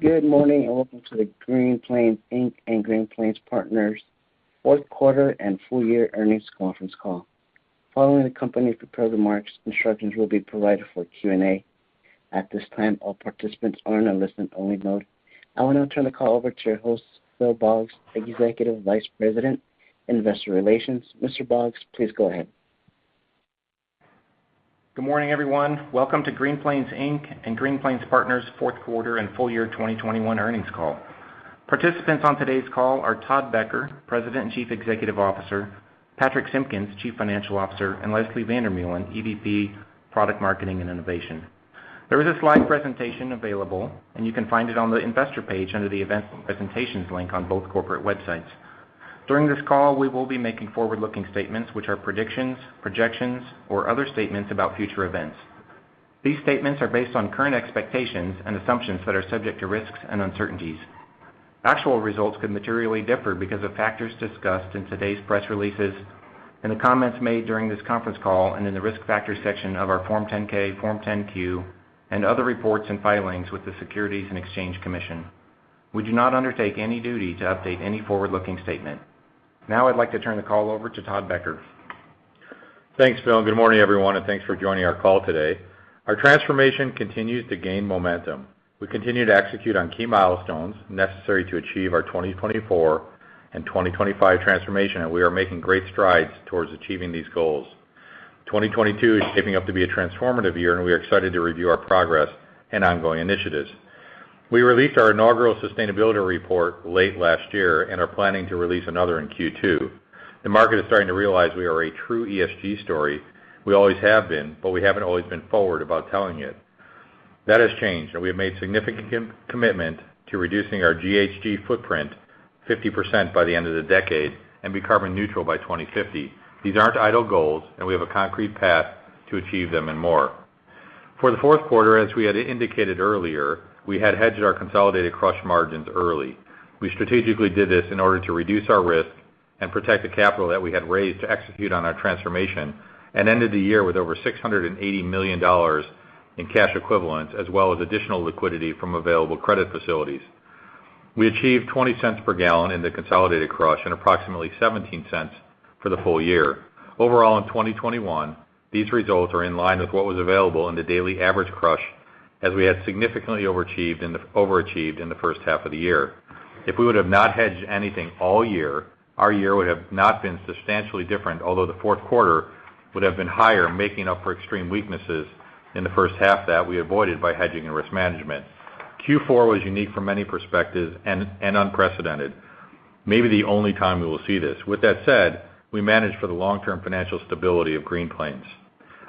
Good morning, and welcome to the Green Plains Inc. and Green Plains Partners fourth quarter and full year earnings conference call. Following the company's prepared remarks, instructions will be provided for Q&A. At this time, all participants are in a listen-only mode. I will now turn the call over to your host, Phil Boggs, Executive Vice President, Investor Relations. Mr. Boggs, please go ahead. Good morning, everyone. Welcome to Green Plains Inc. and Green Plains Partners fourth quarter and full year 2021 earnings call. Participants on today's call are Todd Becker, President and Chief Executive Officer, Patrich Simpkins, Chief Financial Officer, and Leslie van der Meulen, Executive Vice President, Product Marketing and Innovation. There is a slide presentation available, and you can find it on the investor page under the Events Presentations link on both corporate websites. During this call, we will be making forward-looking statements, which are predictions, projections, or other statements about future events. These statements are based on current expectations and assumptions that are subject to risks and uncertainties. Actual results could materially differ because of factors discussed in today's press releases, in the comments made during this conference call, and in the Risk Factors section of our Form 10-K, Form 10-Q, and other reports and filings with the Securities and Exchange Commission. We do not undertake any duty to update any forward-looking statement. Now I'd like to turn the call over to Todd Becker. Thanks, Phil. Good morning, everyone, and thanks for joining our call today. Our transformation continues to gain momentum. We continue to execute on key milestones necessary to achieve our 2024 and 2025 transformation, and we are making great strides towards achieving these goals. 2022 is shaping up to be a transformative year, and we are excited to review our progress and ongoing initiatives. We released our inaugural sustainability report late last year and are planning to release another in Q2. The market is starting to realize we are a true ESG story. We always have been, but we haven't always been forward about telling it. That has changed, and we have made significant commitment to reducing our GHG footprint 50% by the end of the decade and be carbon neutral by 2050. These aren't idle goals, and we have a concrete path to achieve them and more. For the fourth quarter, as we had indicated earlier, we had hedged our consolidated crush margins early. We strategically did this in order to reduce our risk and protect the capital that we had raised to execute on our transformation, and ended the year with over $680 million in cash equivalents, as well as additional liquidity from available credit facilities. We achieved $0.20 per gallon in the consolidated crush and approximately $0.17 for the full year. Overall, in 2021, these results are in line with what was available in the daily average crush as we had significantly overachieved in the first half of the year. If we would have not hedged anything all year, our year would have not been substantially different, although the fourth quarter would have been higher, making up for extreme weaknesses in the first half that we avoided by hedging and risk management. Q4 was unique from many perspectives and unprecedented, maybe the only time we will see this. With that said, we managed for the long-term financial stability of Green Plains.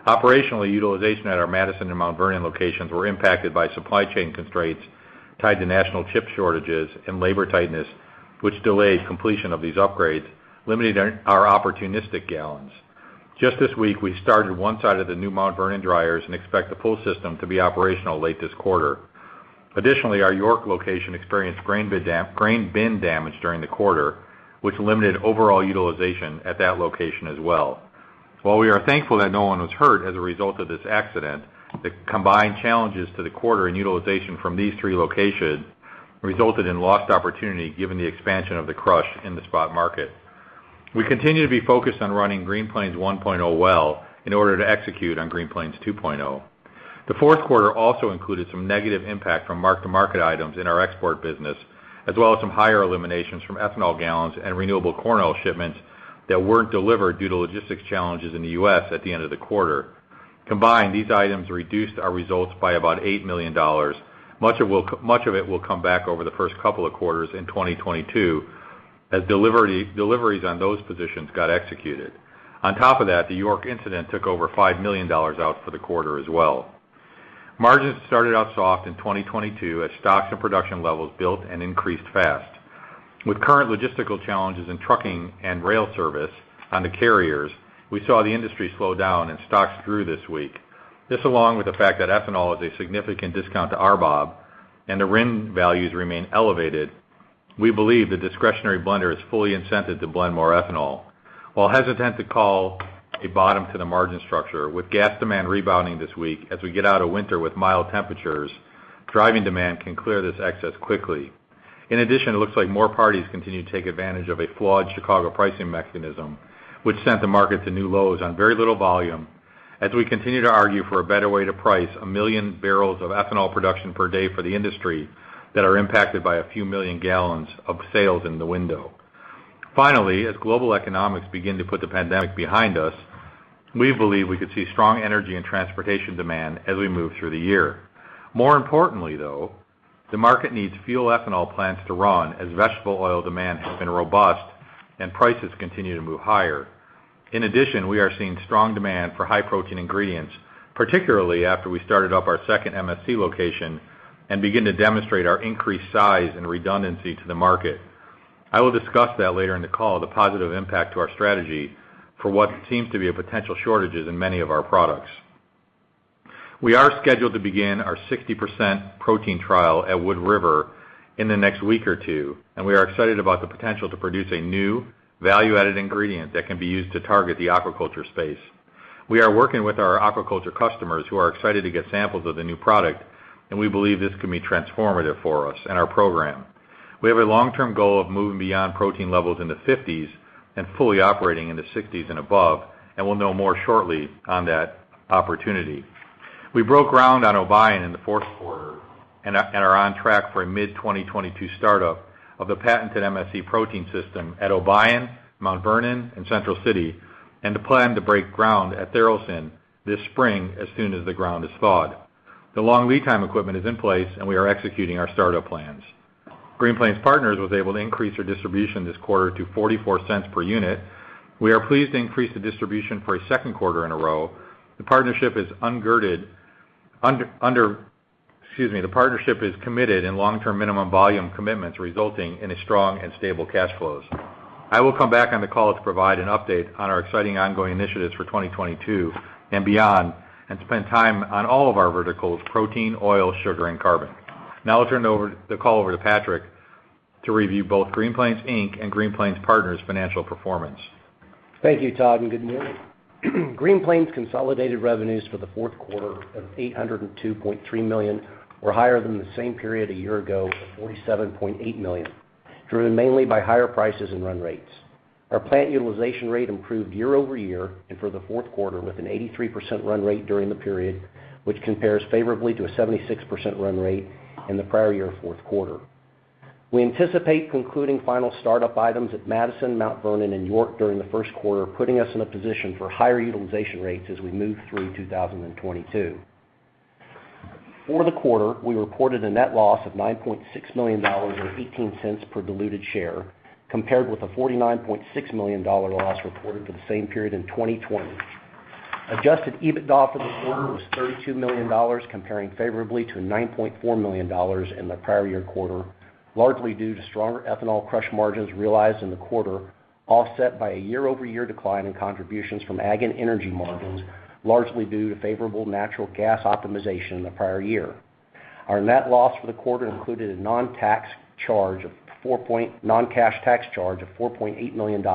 Operationally, utilization at our Madison and Mount Vernon locations were impacted by supply chain constraints tied to national chip shortages and labor tightness, which delayed completion of these upgrades, limiting our opportunistic gallons. Just this week, we started one side of the new Mount Vernon dryers and expect the full system to be operational late this quarter. Additionally, our York location experienced grain bin damage during the quarter, which limited overall utilization at that location as well. While we are thankful that no one was hurt as a result of this accident, the combined challenges to the quarter and utilization from these three locations resulted in lost opportunity given the expansion of the crush in the spot market. We continue to be focused on running Green Plains 1.0 well in order to execute on Green Plains 2.0. The fourth quarter also included some negative impact from mark-to-market items in our export business, as well as some higher eliminations from ethanol gallons and renewable corn oil shipments that weren't delivered due to logistics challenges in the U.S. at the end of the quarter. Combined, these items reduced our results by about $8 million. Much of it will come back over the first couple of quarters in 2022 as deliveries on those positions got executed. On top of that, the York incident took over $5 million out for the quarter as well. Margins started out soft in 2022 as stocks and production levels built and increased fast. With current logistical challenges in trucking and rail service on the carriers, we saw the industry slow down and stocks grew this week. This along with the fact that ethanol is a significant discount to RBOB and the RIN values remain elevated, we believe the discretionary blender is fully incented to blend more ethanol. While hesitant to call a bottom to the margin structure, with gas demand rebounding this week as we get out of winter with mild temperatures, driving demand can clear this excess quickly. In addition, it looks like more parties continue to take advantage of a flawed Chicago pricing mechanism, which sent the market to new lows on very little volume as we continue to argue for a better way to price 1 million barrels of ethanol production per day for the industry that are impacted by a few million gallons of sales in the window. Finally, as global economics begin to put the pandemic behind us, we believe we could see strong energy and transportation demand as we move through the year. More importantly, though, the market needs fuel ethanol plants to run as vegetable oil demand has been robust and prices continue to move higher. In addition, we are seeing strong demand for high-protein ingredients, particularly after we started up our second MSC location and begin to demonstrate our increased size and redundancy to the market. I will discuss that later in the call, the positive impact to our strategy for what seems to be a potential shortages in many of our products. We are scheduled to begin our 60% protein trial at Wood River in the next week or two, and we are excited about the potential to produce a new value-added ingredient that can be used to target the aquaculture space. We are working with our aquaculture customers who are excited to get samples of the new product, and we believe this can be transformative for us and our program. We have a long-term goal of moving beyond protein levels in the fifties and fully operating in the sixties and above, and we'll know more shortly on that opportunity. We broke ground on Obion in the fourth quarter and are on track for a mid-2022 startup of the patented MSC protein system at Obion, Mount Vernon, and Central City, and the plan to break ground at Tharaldson this spring as soon as the ground is thawed. The long lead time equipment is in place and we are executing our startup plans. Green Plains Partners was able to increase their distribution this quarter to $0.44 per unit. We are pleased to increase the distribution for a second quarter in a row. The partnership is underpinned by long-term minimum volume commitments resulting in a strong and stable cash flows. I will come back on the call to provide an update on our exciting ongoing initiatives for 2022 and beyond, and spend time on all of our verticals, protein, oil, sugar, and carbon. Now I'll turn the call over to Patrick Simpkins to review both Green Plains Inc. and Green Plains Partners' financial performance. Thank you, Todd, and good afternoon. Green Plains' consolidated revenues for the fourth quarter of $802.3 million were higher than the same period a year ago of $47.8 million, driven mainly by higher prices and run rates. Our plant utilization rate improved year-over-year and for the fourth quarter with an 83% run rate during the period, which compares favorably to a 76% run rate in the prior year fourth quarter. We anticipate concluding final start-up items at Madison, Mount Vernon, and York during the first quarter, putting us in a position for higher utilization rates as we move through 2022. For the quarter, we reported a net loss of $9.6 million or $0.18 per diluted share, compared with a $49.6 million loss reported for the same period in 2020. Adjusted EBITDA for the quarter was $32 million, comparing favorably to $9.4 million in the prior year quarter, largely due to stronger ethanol crush margins realized in the quarter, offset by a year-over-year decline in contributions from ag and energy margins, largely due to favorable natural gas optimization in the prior year. Our net loss for the quarter included a non-cash tax charge of $4.8 million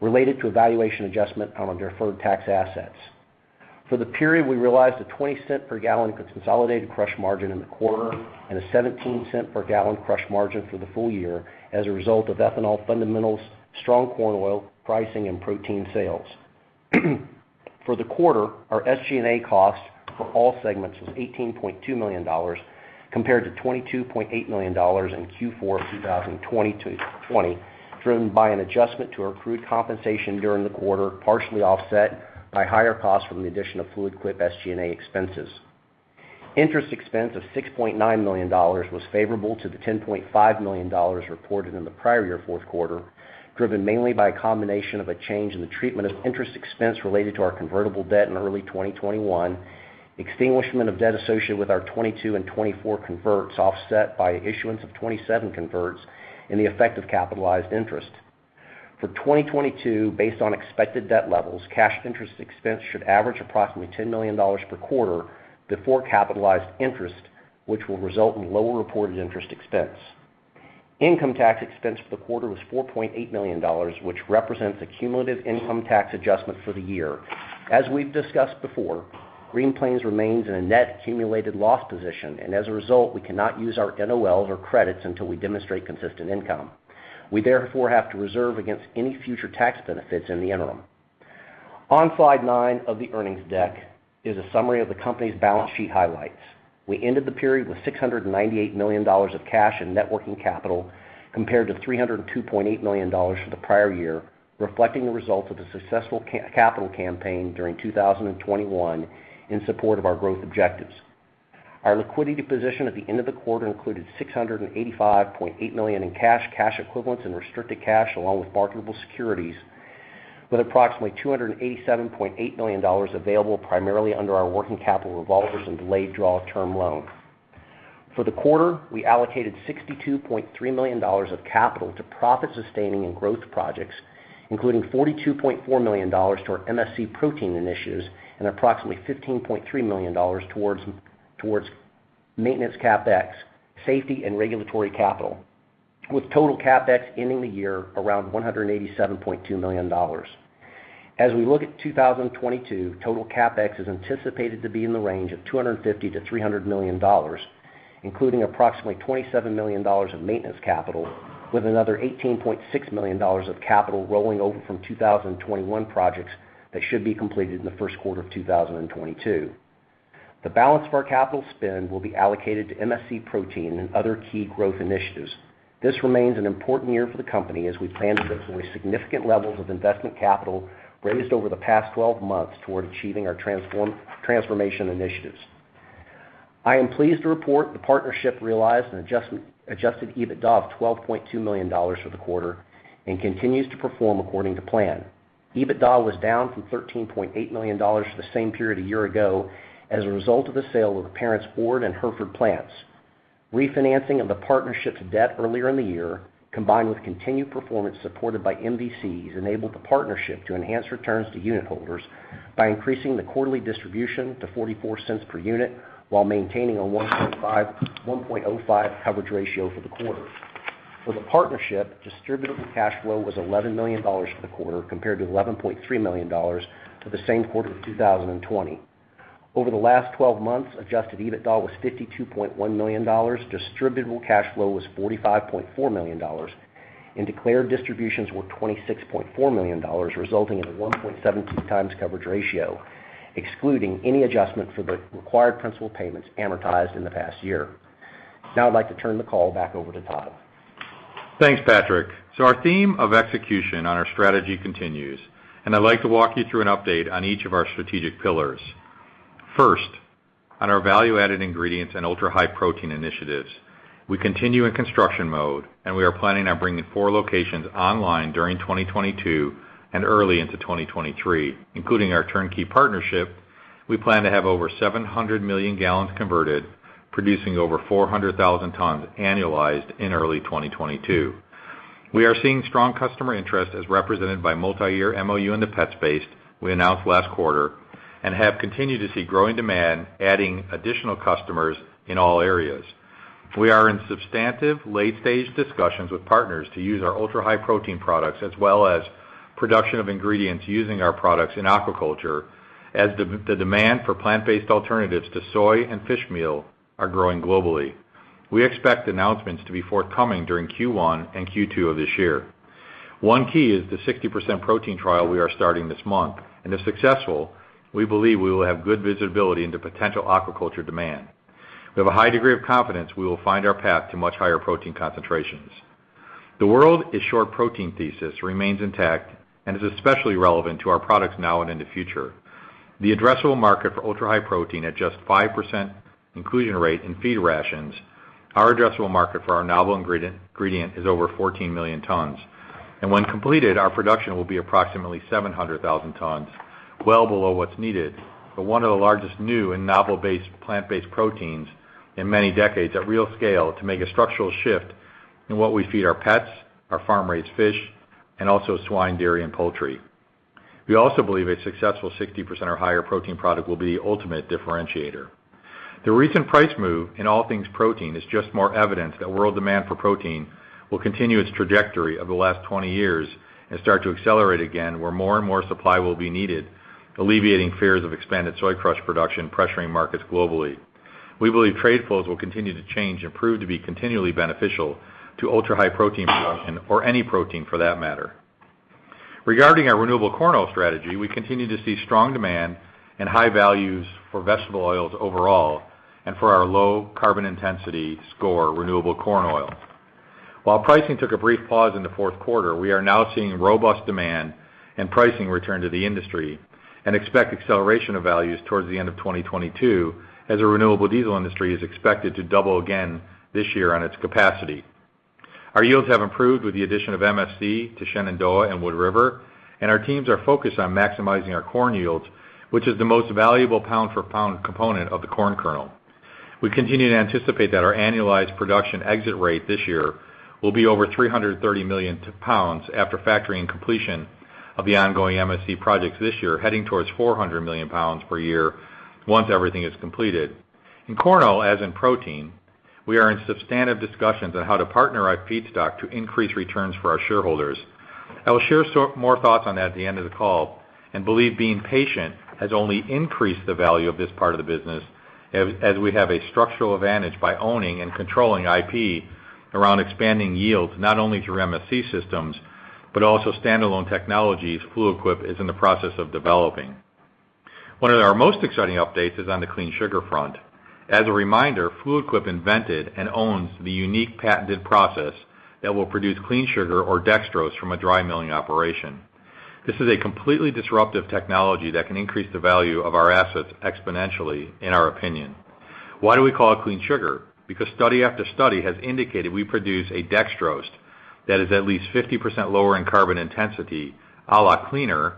related to a valuation adjustment on our deferred tax assets. For the period, we realized a 20-cent per gallon consolidated crush margin in the quarter and a 17-cent per gallon crush margin for the full year as a result of ethanol fundamentals, strong corn oil pricing, and protein sales. For the quarter, our SG&A costs for all segments was $18.2 million, compared to $22.8 million in Q4 of 2020, driven by an adjustment to our accrued compensation during the quarter, partially offset by higher costs from the addition of Fluid Quip SG&A expenses. Interest expense of $6.9 million was favorable to the $10.5 million reported in the prior year fourth quarter, driven mainly by a combination of a change in the treatment of interest expense related to our convertible debt in early 2021, extinguishment of debt associated with our 2022 and 2024 converts, offset by issuance of 2027 converts and the effect of capitalized interest. For 2022, based on expected debt levels, cash interest expense should average approximately $10 million per quarter before capitalized interest, which will result in lower reported interest expense. Income tax expense for the quarter was $4.8 million, which represents a cumulative income tax adjustment for the year. As we've discussed before, Green Plains remains in a net accumulated loss position, and as a result, we cannot use our NOLs or credits until we demonstrate consistent income. We therefore have to reserve against any future tax benefits in the interim. On slide 9 of the earnings deck is a summary of the company's balance sheet highlights. We ended the period with $698 million of cash and net working capital, compared to $302.8 million for the prior year, reflecting the results of the successful capital campaign during 2021 in support of our growth objectives. Our liquidity position at the end of the quarter included $685.8 million in cash equivalents and restricted cash, along with marketable securities, with approximately $287.8 million available primarily under our working capital revolvers and delayed draw term loans. For the quarter, we allocated $62.3 million of capital to profit-sustaining and growth projects, including $42.4 million to our MSC protein initiatives and approximately $15.3 million towards maintenance CapEx, safety and regulatory capital, with total CapEx ending the year around $187.2 million. As we look at 2022, total CapEx is anticipated to be in the range of $250 million-$300 million, including approximately $27 million of maintenance capital, with another $18.6 million of capital rolling over from 2021 projects that should be completed in the first quarter of 2022. The balance of our capital spend will be allocated to MSC Protein and other key growth initiatives. This remains an important year for the company as we plan to deploy significant levels of investment capital raised over the past 12 months toward achieving our transformation initiatives. I am pleased to report the partnership realized an Adjusted EBITDA of $12.2 million for the quarter and continues to perform according to plan. EBITDA was down from $13.8 million for the same period a year ago as a result of the sale of the parent's Ord and Hereford plants. Refinancing of the partnership's debt earlier in the year, combined with continued performance supported by MVCs, enabled the partnership to enhance returns to unitholders by increasing the quarterly distribution to 44 cents per unit while maintaining a 1.05 coverage ratio for the quarter. For the partnership, distributable cash flow was $11 million for the quarter compared to $11.3 million for the same quarter of 2020. Over the last 12 months, Adjusted EBITDA was $52.1 million, distributable cash flow was $45.4 million, and declared distributions were $26.4 million, resulting in a 1.70 times coverage ratio, excluding any adjustment for the required principal payments amortized in the past year. Now I'd like to turn the call back over to Todd. Thanks, Patrich. Our theme of execution on our strategy continues, and I'd like to walk you through an update on each of our strategic pillars. First, on our value-added ingredients and Ultra-High Protein initiatives, we continue in construction mode, and we are planning on bringing four locations online during 2022 and early into 2023. Including our turnkey partnership, we plan to have over 700 million gallons converted, producing over 400,000 tons annualized in early 2022. We are seeing strong customer interest as represented by multiyear MOU in the pets space we announced last quarter and have continued to see growing demand adding additional customers in all areas. We are in substantive late-stage discussions with partners to use our Ultra-High Protein products as well as production of ingredients using our products in aquaculture, as the demand for plant-based alternatives to soy and fish meal are growing globally. We expect announcements to be forthcoming during Q1 and Q2 of this year. One key is the 60% protein trial we are starting this month, and if successful, we believe we will have good visibility into potential aquaculture demand. We have a high degree of confidence we will find our path to much higher protein concentrations. The world is short protein thesis remains intact and is especially relevant to our products now and in the future. The addressable market for Ultra-High Protein at just 5% inclusion rate in feed rations, our addressable market for our novel ingredient is over 14 million tons. When completed, our production will be approximately 700,000 tons, well below what's needed, but one of the largest new and novel-based, plant-based proteins in many decades at real scale to make a structural shift in what we feed our pets, our farm-raised fish, and also swine, dairy, and poultry. We also believe a successful 60% or higher protein product will be the ultimate differentiator. The recent price move in all things protein is just more evidence that world demand for protein will continue its trajectory over the last 20 years and start to accelerate again, where more and more supply will be needed, alleviating fears of expanded soy crush production pressuring markets globally. We believe trade flows will continue to change and prove to be continually beneficial to Ultra-High Protein production or any protein for that matter. Regarding our renewable corn oil strategy, we continue to see strong demand and high values for vegetable oils overall and for our low-carbon intensity score, renewable corn oil. While pricing took a brief pause in the fourth quarter, we are now seeing robust demand and pricing return to the industry and expect acceleration of values towards the end of 2022 as the renewable diesel industry is expected to double again this year on its capacity. Our yields have improved with the addition of MSC to Shenandoah and Wood River, and our teams are focused on maximizing our corn yields, which is the most valuable pound-for-pound component of the corn kernel. We continue to anticipate that our annualized production exit rate this year will be over 330 million pounds after factoring completion of the ongoing MSC projects this year, heading towards 400 million pounds per year once everything is completed. In corn oil, as in protein, we are in substantive discussions on how to partner our feedstock to increase returns for our shareholders. I will share more thoughts on that at the end of the call and believe being patient has only increased the value of this part of the business as we have a structural advantage by owning and controlling IP around expanding yields, not only through MSC systems, but also standalone technologies Fluid Quip is in the process of developing. One of our most exciting updates is on the Clean Sugar front. As a reminder, Fluid Quip invented and owns the unique patented process that will produce Clean Sugar or dextrose from a dry milling operation. This is a completely disruptive technology that can increase the value of our assets exponentially, in our opinion. Why do we call it Clean Sugar? Because study after study has indicated we produce a dextrose that is at least 50% lower in carbon intensity, a lot cleaner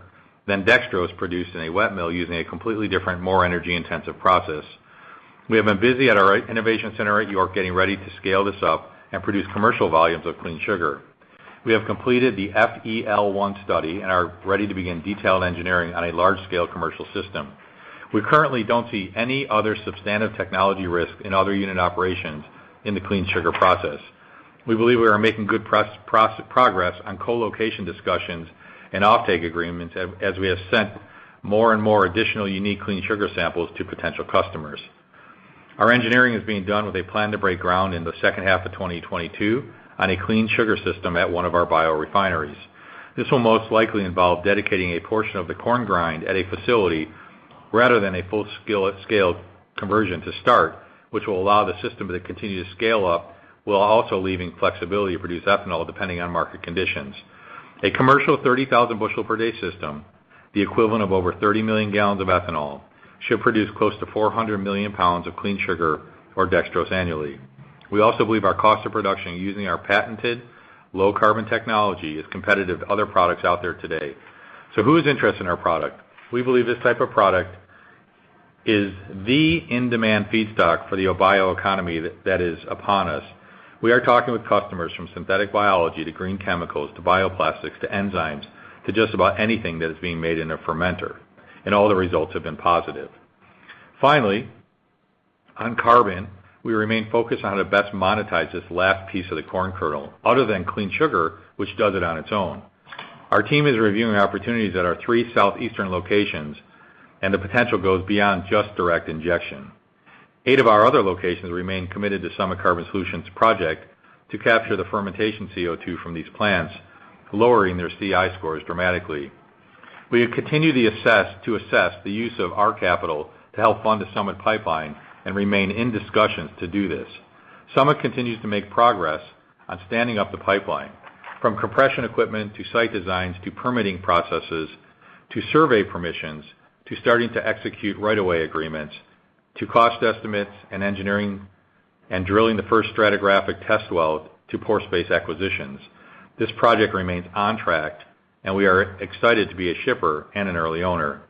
than dextrose produced in a wet mill using a completely different, more energy-intensive process. We have been busy at our innovation center at York getting ready to scale this up and produce commercial volumes of Clean Sugar. We have completed the FEL 1 study and are ready to begin detailed engineering on a large-scale commercial system. We currently don't see any other substantive technology risk in other unit operations in the Clean Sugar process. We believe we are making good progress on co-location discussions and offtake agreements as we have sent more and more additional unique Clean Sugar samples to potential customers. Our engineering is being done with a plan to break ground in the second half of 2022 on a Clean Sugar system at one of our biorefineries. This will most likely involve dedicating a portion of the corn grind at a facility rather than a full-scale conversion to start, which will allow the system to continue to scale up while also leaving flexibility to produce ethanol depending on market conditions. A commercial 30,000 bushel per day system, the equivalent of over 30 million gallons of ethanol, should produce close to 400 million pounds of Clean Sugar or dextrose annually. We also believe our cost of production using our patented low carbon technology is competitive to other products out there today. Who is interested in our product? We believe this type of product is the in-demand feedstock for the bioeconomy that is upon us. We are talking with customers from synthetic biology, to green chemicals, to bioplastics, to enzymes, to just about anything that is being made in a fermenter, and all the results have been positive. Finally, on carbon, we remain focused on how to best monetize this last piece of the corn kernel other than clean sugar, which does it on its own. Our team is reviewing opportunities at our three southeastern locations, and the potential goes beyond just direct injection. Eight of our other locations remain committed to Summit Carbon Solutions project to capture the fermentation CO2 from these plants, lowering their CI scores dramatically. We have continued to assess the use of our capital to help fund the Summit pipeline and remain in discussions to do this. Summit continues to make progress on standing up the pipeline, from compression equipment to site designs to permitting processes, to survey permissions, to starting to execute right-of-way agreements, to cost estimates and engineering and drilling the first stratigraphic test well to pore space acquisitions. This project remains on track, and we are excited to be a shipper and an early owner.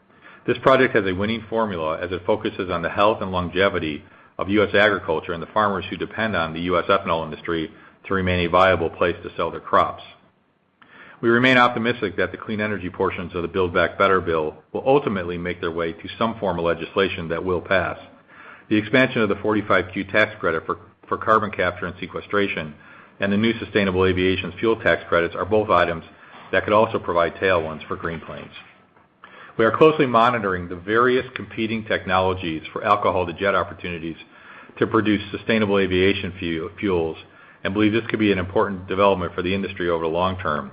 This project has a winning formula as it focuses on the health and longevity of U.S. agriculture and the farmers who depend on the U.S. ethanol industry to remain a viable place to sell their crops. We remain optimistic that the clean energy portions of the Build Back Better bill will ultimately make their way to some form of legislation that will pass. The expansion of the 45Q tax credit for carbon capture and sequestration and the new sustainable aviation fuel tax credits are both items that could also provide tailwinds for Green Plains. We are closely monitoring the various competing technologies for alcohol-to-jet opportunities to produce sustainable aviation fuels and believe this could be an important development for the industry over the long term.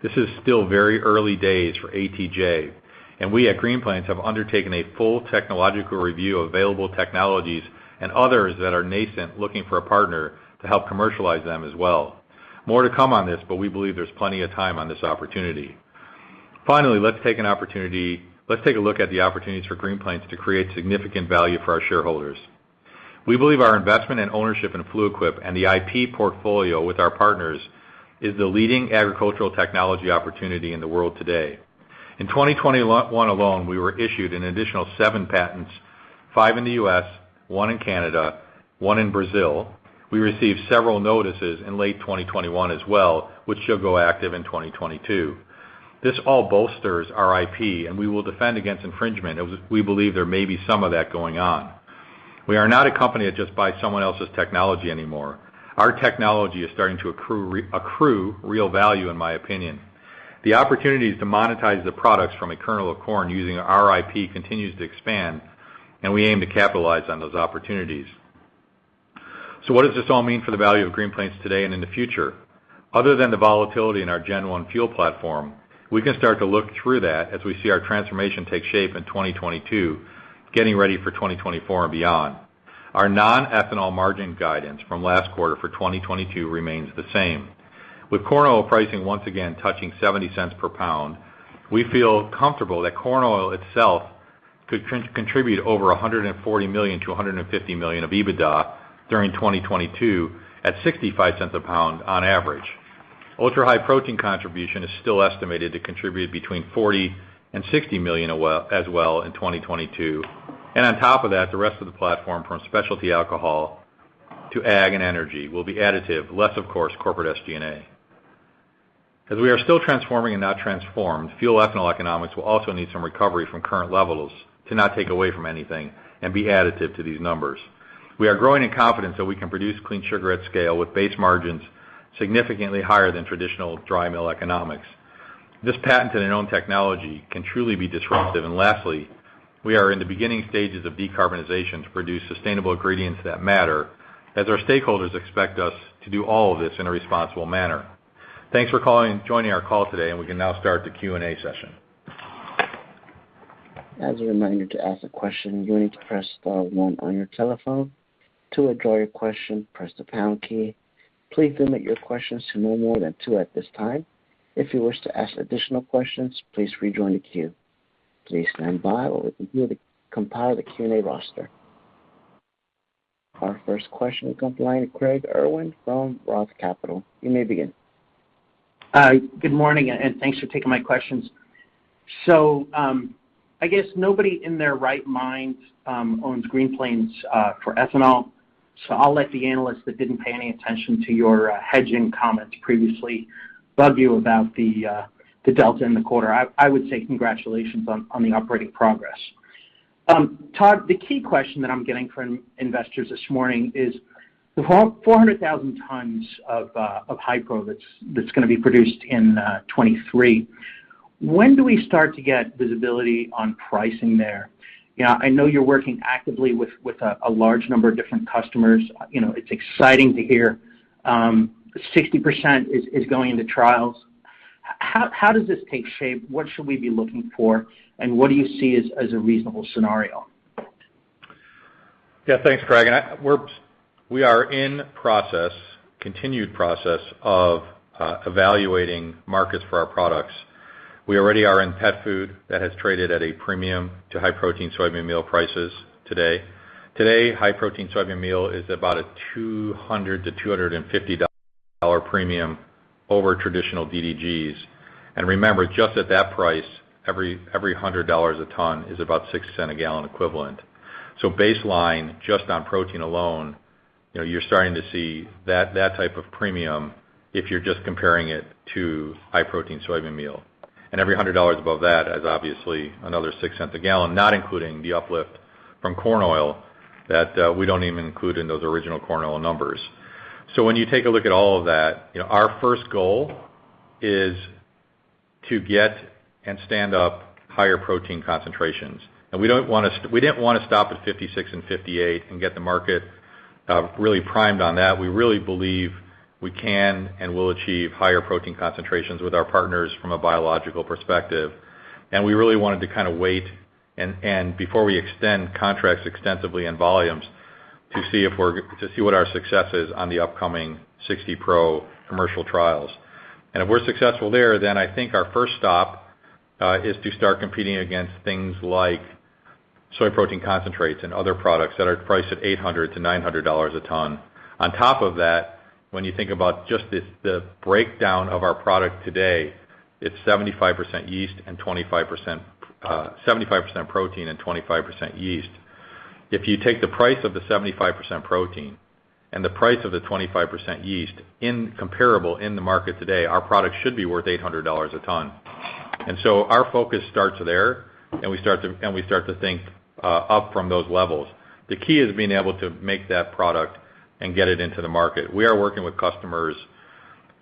This is still very early days for ATJ, and we at Green Plains have undertaken a full technological review of available technologies and others that are nascent looking for a partner to help commercialize them as well. More to come on this, but we believe there's plenty of time on this opportunity. Finally, let's take a look at the opportunities for Green Plains to create significant value for our shareholders. We believe our investment and ownership in Fluid Quip and the IP portfolio with our partners is the leading agricultural technology opportunity in the world today. In 2021 alone, we were issued an additional 7 patents, 5 in the U.S., 1 in Canada, 1 in Brazil. We received several notices in late 2021 as well, which should go active in 2022. This all bolsters our IP, and we will defend against infringement as we believe there may be some of that going on. We are not a company that just buys someone else's technology anymore. Our technology is starting to accrue real value, in my opinion. The opportunities to monetize the products from a kernel of corn using our IP continues to expand, and we aim to capitalize on those opportunities. What does this all mean for the value of Green Plains today and in the future? Other than the volatility in our Gen 1 fuel platform, we can start to look through that as we see our transformation take shape in 2022, getting ready for 2024 and beyond. Our non-ethanol margin guidance from last quarter for 2022 remains the same. With corn oil pricing once again touching $0.70 per pound, we feel comfortable that corn oil itself could contribute over $140 million-$150 million of EBITDA during 2022 at $0.65 a pound on average. Ultra-High Protein contribution is still estimated to contribute between $40 million-$60 million as well in 2022. On top of that, the rest of the platform from specialty alcohol to ag and energy will be additive, less of course, corporate SG&A. As we are still transforming and not transformed, fuel ethanol economics will also need some recovery from current levels to not take away from anything and be additive to these numbers. We are growing in confidence that we can produce clean sugar at scale with base margins significantly higher than traditional dry mill economics. This patented and own technology can truly be disruptive. Lastly, we are in the beginning stages of decarbonization to produce sustainable ingredients that matter as our stakeholders expect us to do all of this in a responsible manner. Thanks for joining our call today, and we can now start the Q&A session. As a reminder, to ask a question, you need to press star one on your telephone. To withdraw your question, press the pound key. Please limit your questions to no more than two at this time. If you wish to ask additional questions, please rejoin the queue. Please stand by while we compile the Q&A roster. Our first question is coming from the line of Craig Irwin from Roth Capital. You may begin. Good morning, and thanks for taking my questions. I guess nobody in their right mind owns Green Plains for ethanol. I'll let the analysts that didn't pay any attention to your hedging comments previously bug you about the delta in the quarter. I would say congratulations on the operating progress. Todd, the key question that I'm getting from investors this morning is the 400,000 tons of high protein that's gonna be produced in 2023. When do we start to get visibility on pricing there? You know, I know you're working actively with a large number of different customers. You know, it's exciting to hear 60% is going into trials. How does this take shape? What should we be looking for, and what do you see as a reasonable scenario? Yeah. Thanks, Craig. We are in process, continued process of evaluating markets for our products. We already are in pet food that has traded at a premium to high-protein soybean meal prices today. Today, high-protein soybean meal is about a $200-$250 dollar premium over traditional DDGs. Remember, just at that price, every $100 a ton is about $0.06 a gallon equivalent. Baseline, just on protein alone. You know, you're starting to see that type of premium if you're just comparing it to high-protein soybean meal. Every $100 above that is obviously another $0.06 a gallon, not including the uplift from corn oil that we don't even include in those original corn oil numbers. When you take a look at all of that, you know, our first goal is to get and stand up higher protein concentrations. We didn't wanna stop at 56 and 58 and get the market really primed on that. We really believe we can and will achieve higher protein concentrations with our partners from a biological perspective. We really wanted to kind of wait and before we extend contracts extensively in volumes to see what our success is on the upcoming 60% commercial trials. If we're successful there, then I think our first stop is to start competing against things like soy protein concentrates and other products that are priced at $800-$900 a ton. On top of that, when you think about just this, the breakdown of our product today, it's 75% protein and 25% yeast. If you take the price of the 75% protein and the price of the 25% yeast in comparables in the market today, our product should be worth $800 a ton. Our focus starts there, and we start to think up from those levels. The key is being able to make that product and get it into the market. We are working with customers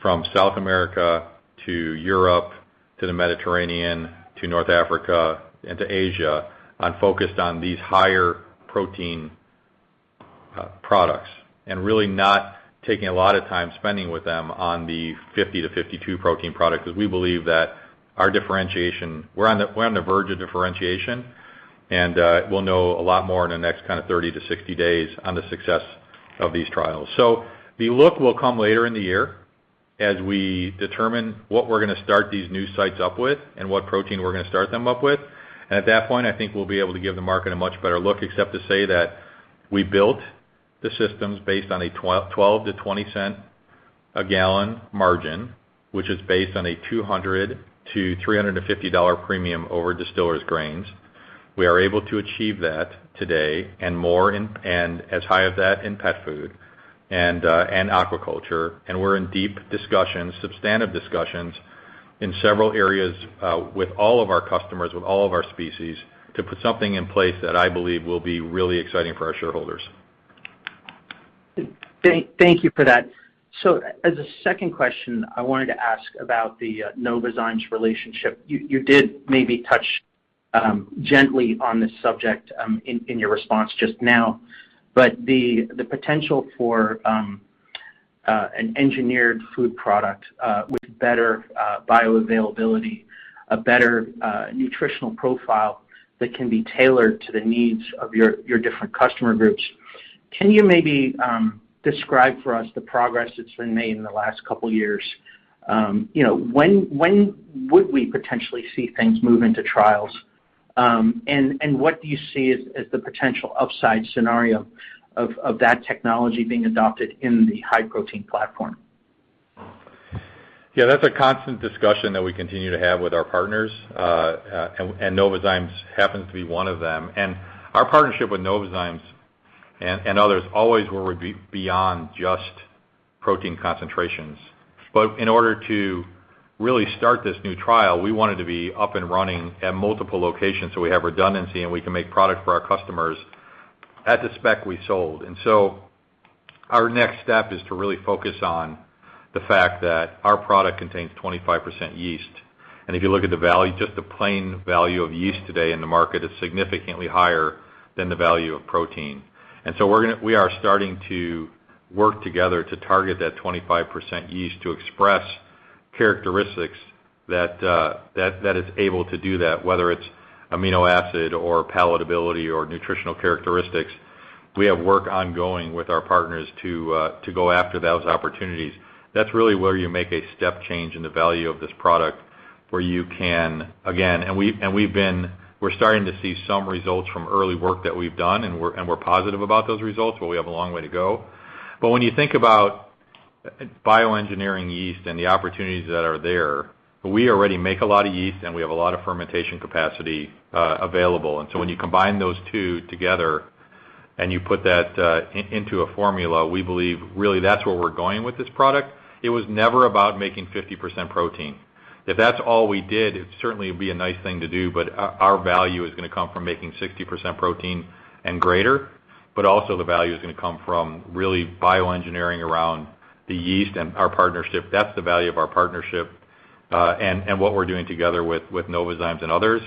from South America to Europe, to the Mediterranean, to North Africa, and to Asia, focused on these higher protein products, and really not spending a lot of time with them on the 50-52 protein product 'cause we believe that our differentiation. We're on the verge of differentiation, and we'll know a lot more in the next kinda 30-60 days on the success of these trials. The launch will come later in the year as we determine what we're gonna start these new sites up with and what protein we're gonna start them up with. At that point, I think we'll be able to give the market a much better look, except to say that we built the systems based on a 12-20 cents a gallon margin, which is based on a $200-$350 premium over distillers' grains. We are able to achieve that today and more, and as high as that in pet food and aquaculture. We're in deep discussions, substantive discussions in several areas, with all of our customers, with all of our species, to put something in place that I believe will be really exciting for our shareholders. Thank you for that. As a second question, I wanted to ask about the Novozymes relationship. You did maybe touch gently on this subject in your response just now. The potential for an engineered food product with better bioavailability, a better nutritional profile that can be tailored to the needs of your different customer groups. Can you maybe describe for us the progress that's been made in the last couple years? You know, when would we potentially see things move into trials? And what do you see as the potential upside scenario of that technology being adopted in the high-protein platform? Yeah, that's a constant discussion that we continue to have with our partners, and Novozymes happens to be one of them. Our partnership with Novozymes and others always were beyond just protein concentrations. In order to really start this new trial, we wanted to be up and running at multiple locations, so we have redundancy, and we can make product for our customers at the spec we sold. Our next step is to really focus on the fact that our product contains 25% yeast. If you look at the value, just the plain value of yeast today in the market is significantly higher than the value of protein. We are starting to work together to target that 25% yeast to express characteristics that is able to do that, whether it's amino acid or palatability or nutritional characteristics. We have work ongoing with our partners to go after those opportunities. That's really where you make a step change in the value of this product, where you can, again. We are starting to see some results from early work that we've done, and we're positive about those results, but we have a long way to go. When you think about bioengineering yeast and the opportunities that are there, we already make a lot of yeast, and we have a lot of fermentation capacity available. When you combine those two together and you put that into a formula, we believe, really, that's where we're going with this product. It was never about making 50% protein. If that's all we did, it certainly would be a nice thing to do, but our value is gonna come from making 60% protein and greater. The value is gonna come from really bioengineering around the yeast and our partnership. That's the value of our partnership and what we're doing together with Novozymes and others.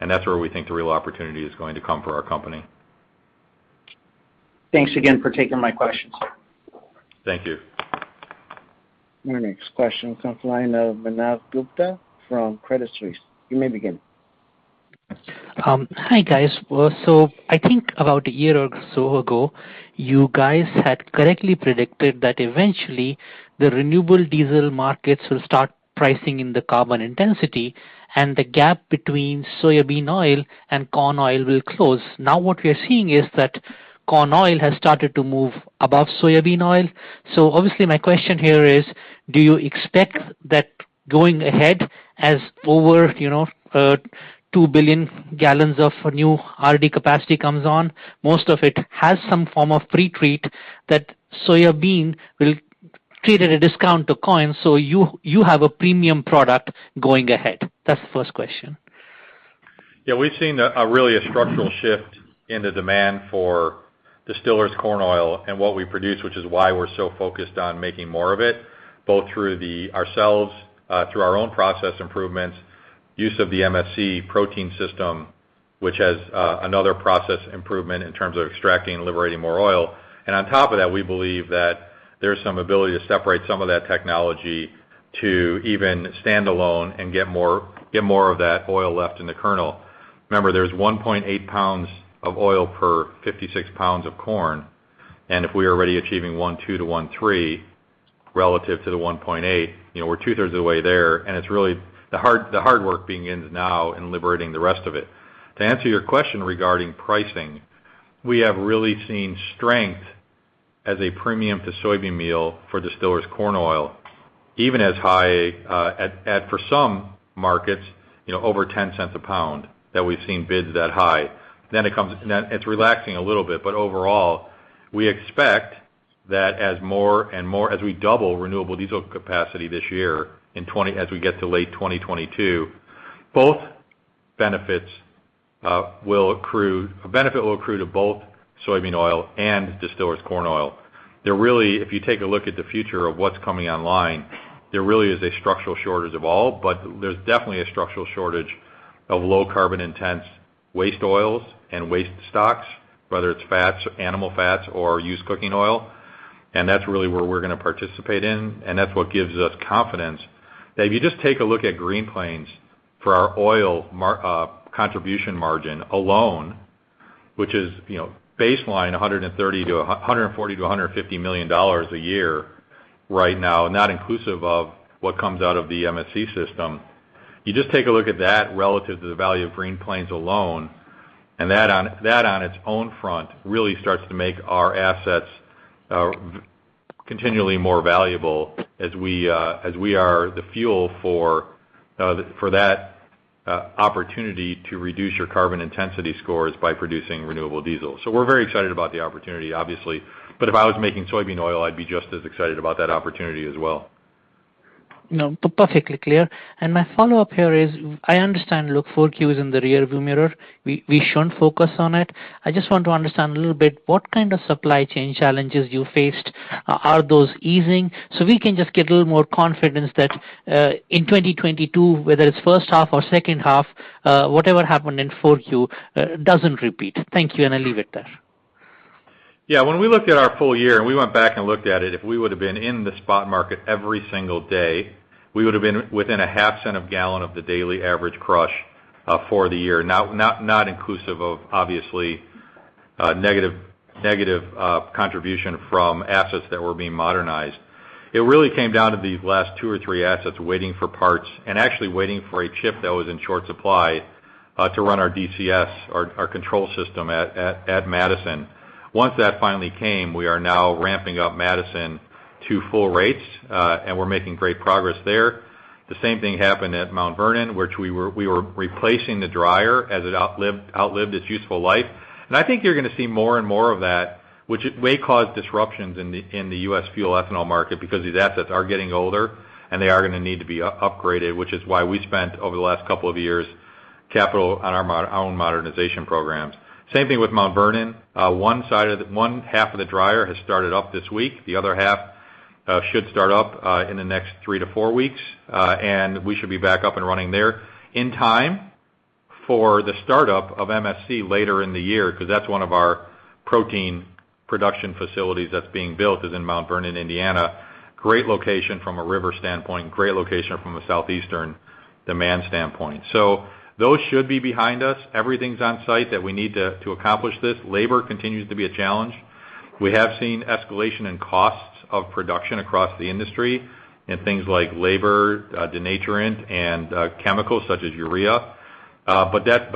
That's where we think the real opportunity is going to come for our company. Thanks again for taking my questions. Thank you. Our next question comes from the line of Manav Gupta from Credit Suisse. You may begin. Hi, guys. I think about a year or so ago, you guys had correctly predicted that eventually the renewable diesel markets will start pricing in the carbon intensity and the gap between soybean oil and corn oil will close. Now, what we are seeing is that corn oil has started to move above soybean oil. Obviously, my question here is: Do you expect that going ahead as over 2 billion gallons of new RD capacity comes on, most of it has some form of pre-treat that soybean will trade at a discount to corn, so you have a premium product going ahead. That's the first question. Yeah, we've seen a really a structural shift in the demand for distillers corn oil and what we produce, which is why we're so focused on making more of it, both through ourselves, through our own process improvements, use of the MSC protein system, which has another process improvement in terms of extracting and liberating more oil. On top of that, we believe that there's some ability to separate some of that technology to even stand alone and get more of that oil left in the kernel. Remember, there's 1.8 pounds of oil per 56 pounds of corn, and if we're already achieving 1.2-1.3 relative to the 1.8, you know, we're two-thirds of the way there, and it's really the hard work begins now in liberating the rest of it. To answer your question regarding pricing, we have really seen strength as a premium to soybean meal for distillers corn oil, even as high as for some markets, you know, over $0.10 a pound that we've seen bids that high. Then it's relaxing a little bit. But overall, we expect that as we double renewable diesel capacity this year in 2020, as we get to late 2022, both benefits will accrue. A benefit will accrue to both soybean oil and distillers corn oil. There really is a structural shortage of all, but there's definitely a structural shortage of low carbon intensity waste oils and waste stocks, whether it's fats, animal fats or used cooking oil. That's really where we're gonna participate in, and that's what gives us confidence that if you just take a look at Green Plains for our oil contribution margin alone, which is, you know, baseline $130 million to $140 million to $150 million a year right now, not inclusive of what comes out of the MSC system. You just take a look at that relative to the value of Green Plains alone, and that on its own front really starts to make our assets continually more valuable as we are the fuel for that opportunity to reduce your carbon intensity scores by producing renewable diesel. We're very excited about the opportunity, obviously. If I was making soybean oil, I'd be just as excited about that opportunity as well. No, perfectly clear. My follow-up here is, I understand look, 4Q is in the rear view mirror. We shouldn't focus on it. I just want to understand a little bit what kind of supply chain challenges you faced. Are those easing? So we can just get a little more confidence that in 2022, whether it's first half or second half, whatever happened in 4Q doesn't repeat. Thank you, and I leave it there. Yeah, when we looked at our full year and we went back and looked at it, if we would've been in the spot market every single day, we would've been within a half cent a gallon of the daily average crush for the year. Not inclusive of obviously negative contribution from assets that were being modernized. It really came down to these last two or three assets waiting for parts and actually waiting for a chip that was in short supply to run our DCS, our control system at Madison. Once that finally came, we are now ramping up Madison to full rates and we're making great progress there. The same thing happened at Mount Vernon, which we were replacing the dryer as it outlived its useful life. I think you're gonna see more and more of that, which may cause disruptions in the U.S. fuel ethanol market because these assets are getting older, and they are gonna need to be upgraded, which is why we spent over the last couple of years capital on our own modernization programs. Same thing with Mount Vernon. One half of the dryer has started up this week. The other half should start up in the next 3-4 weeks, and we should be back up and running there in time for the startup of MSC later in the year, 'cause that's one of our protein production facilities that's being built is in Mount Vernon, Indiana. Great location from a river standpoint, great location from a southeastern demand standpoint. Those should be behind us. Everything's on site that we need to accomplish this. Labor continues to be a challenge. We have seen escalation in costs of production across the industry in things like labor, denaturant and, chemicals such as urea. But that's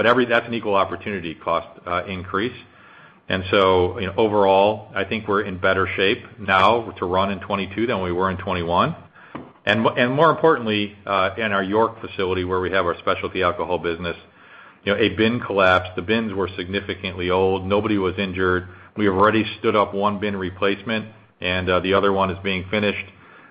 an equal opportunity cost increase. You know, overall, I think we're in better shape now to run in 2022 than we were in 2021. More importantly, in our York facility where we have our specialty alcohol business, you know, a bin collapsed. The bins were significantly old. Nobody was injured. We have already stood up one bin replacement and, the other one is being finished,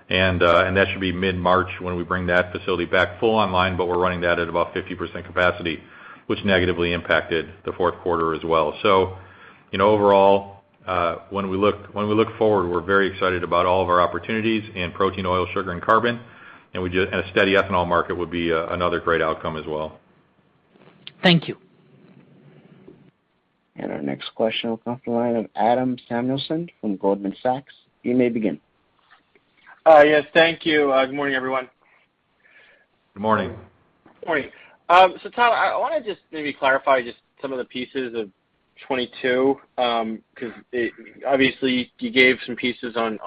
and that should be mid-March when we bring that facility back full online, but we're running that at about 50% capacity, which negatively impacted the fourth quarter as well. You know, overall, when we look forward, we're very excited about all of our opportunities in protein, oil, sugar and carbon. A steady ethanol market would be another great outcome as well. Thank you. Our next question will come from the line of Adam Samuelson from Goldman Sachs. You may begin. Yes, thank you. Good morning, everyone. Good morning. Morning. Tyler, I wanna just maybe clarify just some of the pieces of 2022, 'cause obviously you gave some pieces on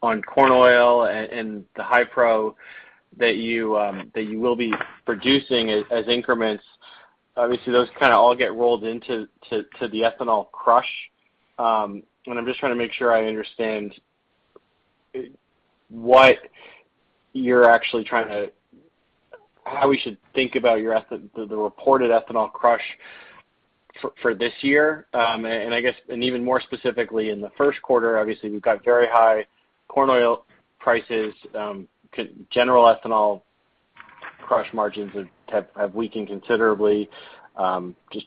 corn oil and the ultra-high protein that you will be producing as increments. Obviously, those kind of all get rolled into the ethanol crush. I'm just trying to make sure I understand what you're actually trying to how we should think about the reported ethanol crush for this year. I guess even more specifically in the first quarter, obviously, we've got very high corn oil prices, general ethanol crush margins have weakened considerably, just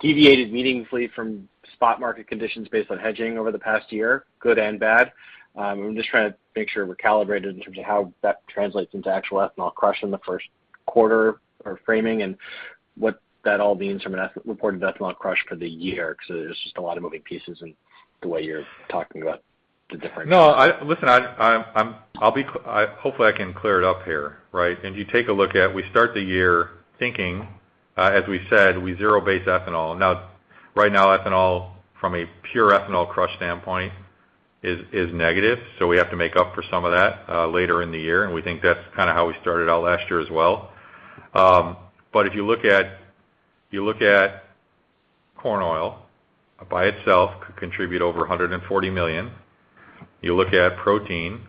deviated meaningfully from spot market conditions based on hedging over the past year, good and bad. I'm just trying to make sure we're calibrated in terms of how that translates into actual ethanol crush in the first quarter or framing and what that all means from a reported ethanol crush for the year, 'cause there's just a lot of moving pieces in the way you're talking about the different- No. Listen, I hope I can clear it up here, right? If you take a look at we start the year thinking, as we said, we zero base ethanol. Now, right now, ethanol from a pure ethanol crush standpoint is negative, so we have to make up for some of that later in the year, and we think that's kinda how we started out last year as well. But if you look at corn oil by itself could contribute over $140 million. You look at protein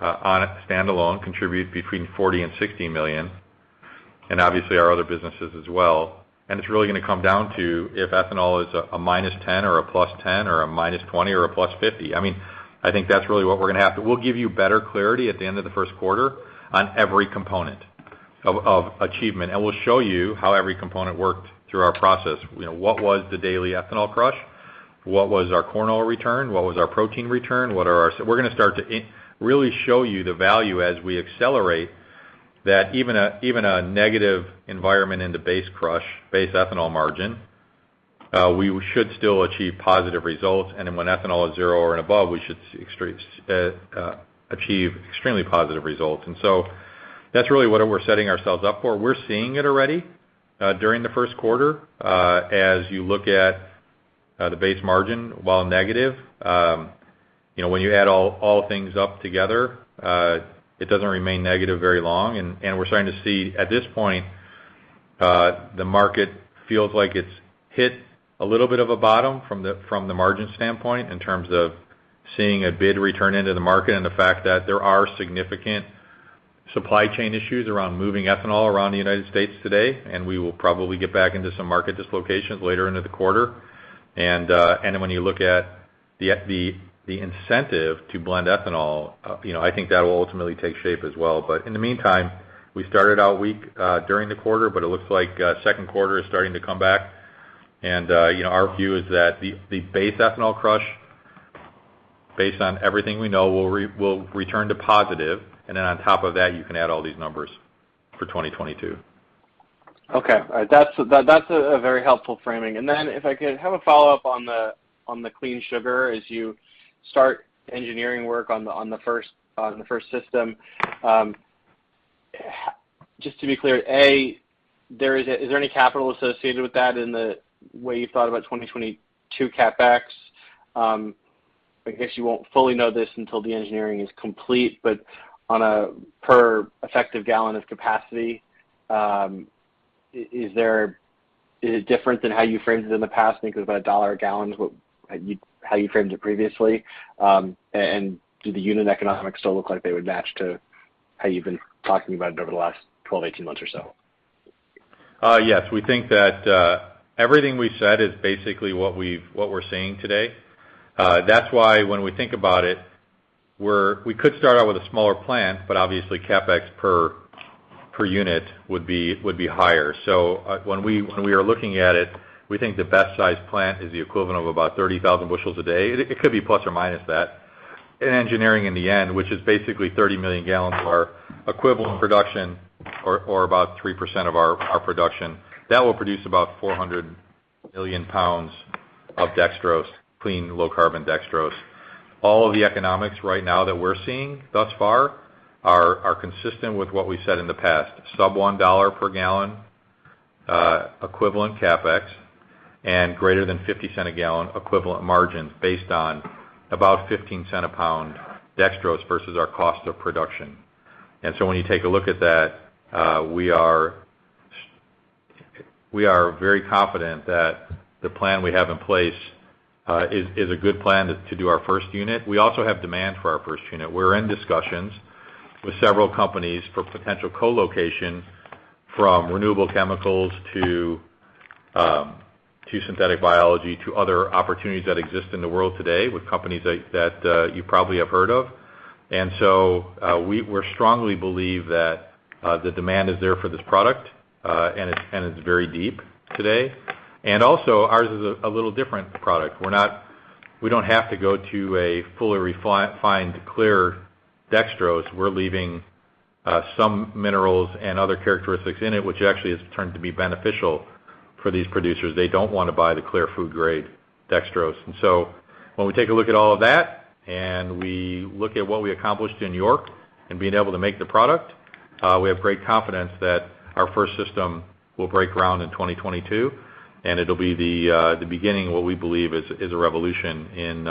on a standalone contribute between $40 million and $60 million, and obviously our other businesses as well. It's really gonna come down to if ethanol is a -10 or a +10 or a -20 or a +50. I mean, I think that's really what we're gonna have to. We'll give you better clarity at the end of the first quarter on every component of achievement, and we'll show you how every component worked through our process. You know, what was the daily ethanol crush? What was our corn oil return? What was our protein return? What are our? We're gonna start to really show you the value as we accelerate that even a negative environment in the base crush, base ethanol margin, we should still achieve positive results. Then when ethanol is zero or above, we should see extremely positive results. That's really what we're setting ourselves up for. We're seeing it already during the first quarter as you look at the base margin, while negative, you know, when you add all things up together, it doesn't remain negative very long. We're starting to see, at this point, the market feels like it's hit a little bit of a bottom from the margin standpoint in terms of seeing a bid return into the market and the fact that there are significant supply chain issues around moving ethanol around the United States today, and we will probably get back into some market dislocations later into the quarter. When you look at the incentive to blend ethanol, you know, I think that'll ultimately take shape as well. In the meantime, we started out weak during the quarter, but it looks like second quarter is starting to come back. You know, our view is that the base ethanol crush, based on everything we know, will return to positive. Then on top of that, you can add all these numbers for 2022. Okay. All right. That's a very helpful framing. If I could have a follow-up on the Clean Sugar as you start engineering work on the first system. Just to be clear, is there any capital associated with that in the way you thought about 2022 CapEx? I guess you won't fully know this until the engineering is complete, but on a per effective gallon of capacity, is it different than how you framed it in the past? I think it was about $1 a gallon, how you framed it previously. Do the unit economics still look like they would match to how you've been talking about it over the last 12, 18 months or so? Yes. We think that everything we said is basically what we're seeing today. That's why when we think about it, we could start out with a smaller plant, but obviously CapEx per unit would be higher. When we are looking at it, we think the best sized plant is the equivalent of about 30,000 bushels a day. It could be ± that in engineering in the end, which is basically 30 million gallons of our equivalent production or about 3% of our production. That will produce about 400 million pounds of dextrose, clean low-carbon dextrose. All of the economics right now that we're seeing thus far are consistent with what we said in the past, sub $1 per gallon equivalent CapEx and greater than 50 cents a gallon equivalent margin based on about 15 cents a pound dextrose versus our cost of production. When you take a look at that, we are very confident that the plan we have in place is a good plan to do our first unit. We also have demand for our first unit. We're in discussions with several companies for potential co-location from renewable chemicals to synthetic biology to other opportunities that exist in the world today with companies that you probably have heard of. We strongly believe that the demand is there for this product, and it's very deep today. Ours is a little different product. We don't have to go to a fully refined clear dextrose. We're leaving some minerals and other characteristics in it, which actually has turned out to be beneficial for these producers. They don't wanna buy the clear food grade dextrose. When we take a look at all of that, and we look at what we accomplished in York and being able to make the product, we have great confidence that our first system will break ground in 2022, and it'll be the beginning of what we believe is a revolution in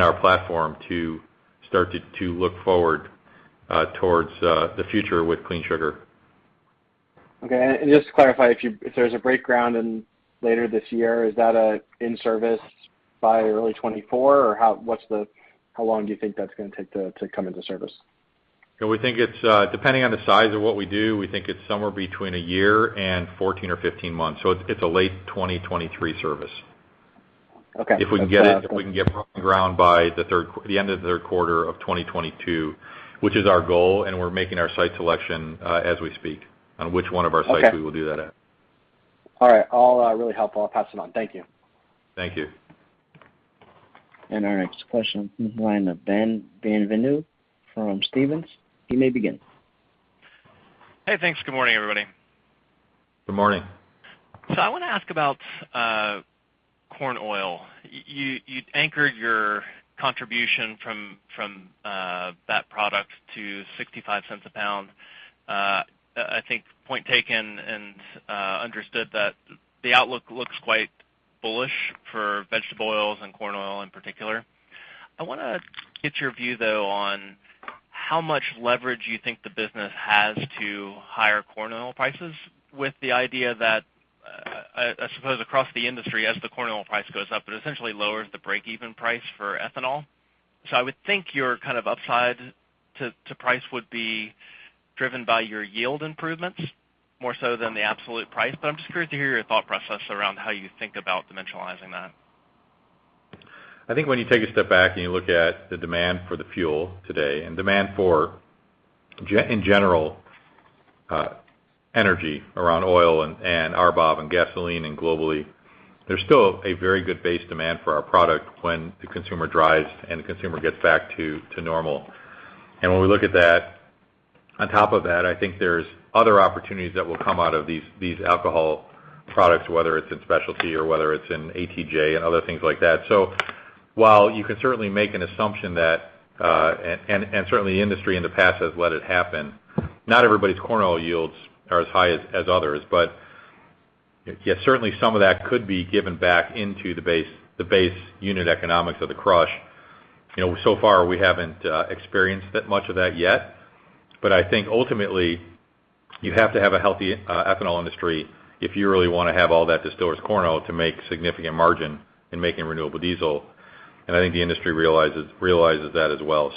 our platform to start to look forward towards the future with Clean Sugar. Okay. Just to clarify, if you break ground later this year, is that in service by early 2024? Or how long do you think that's gonna take to come into service? Yeah, we think it's depending on the size of what we do, somewhere between a year and 14 or 15 months. It's a late 2023 service. Okay. If we can get ground by the end of the third quarter of 2022, which is our goal, and we're making our site selection as we speak on which one of our sites we will do that at. Okay. All right. All, really helpful. I'll pass it on. Thank you. Thank you. Our next question comes from the line of Ben Bienvenu from Stephens. You may begin. Hey, thanks. Good morning, everybody. Good morning. I wanna ask about corn oil. You anchored your contribution from that product to $0.65 a pound. I think point taken and understood that the outlook looks quite bullish for vegetable oils and corn oil in particular. I wanna get your view, though, on how much leverage you think the business has to higher corn oil prices with the idea that I suppose across the industry, as the corn oil price goes up, it essentially lowers the break-even price for ethanol. I would think your kind of upside to price would be driven by your yield improvements more so than the absolute price. But I'm just curious to hear your thought process around how you think about dimensionalizing that. I think when you take a step back, and you look at the demand for the fuel today and demand for energy in general around oil and RBOB and gasoline and globally, there's still a very good base demand for our product when the consumer drives and the consumer gets back to normal. When we look at that, on top of that, I think there's other opportunities that will come out of these alcohol products, whether it's in specialty or whether it's in ATJ and other things like that. While you can certainly make an assumption that, and certainly industry in the past has let it happen, not everybody's corn oil yields are as high as others. Yeah, certainly some of that could be given back into the base unit economics of the crush. You know, so far, we haven't experienced that much of that yet. I think ultimately, you have to have a healthy ethanol industry if you really wanna have all that distilled corn oil to make significant margin in making renewable diesel, and I think the industry realizes that as well.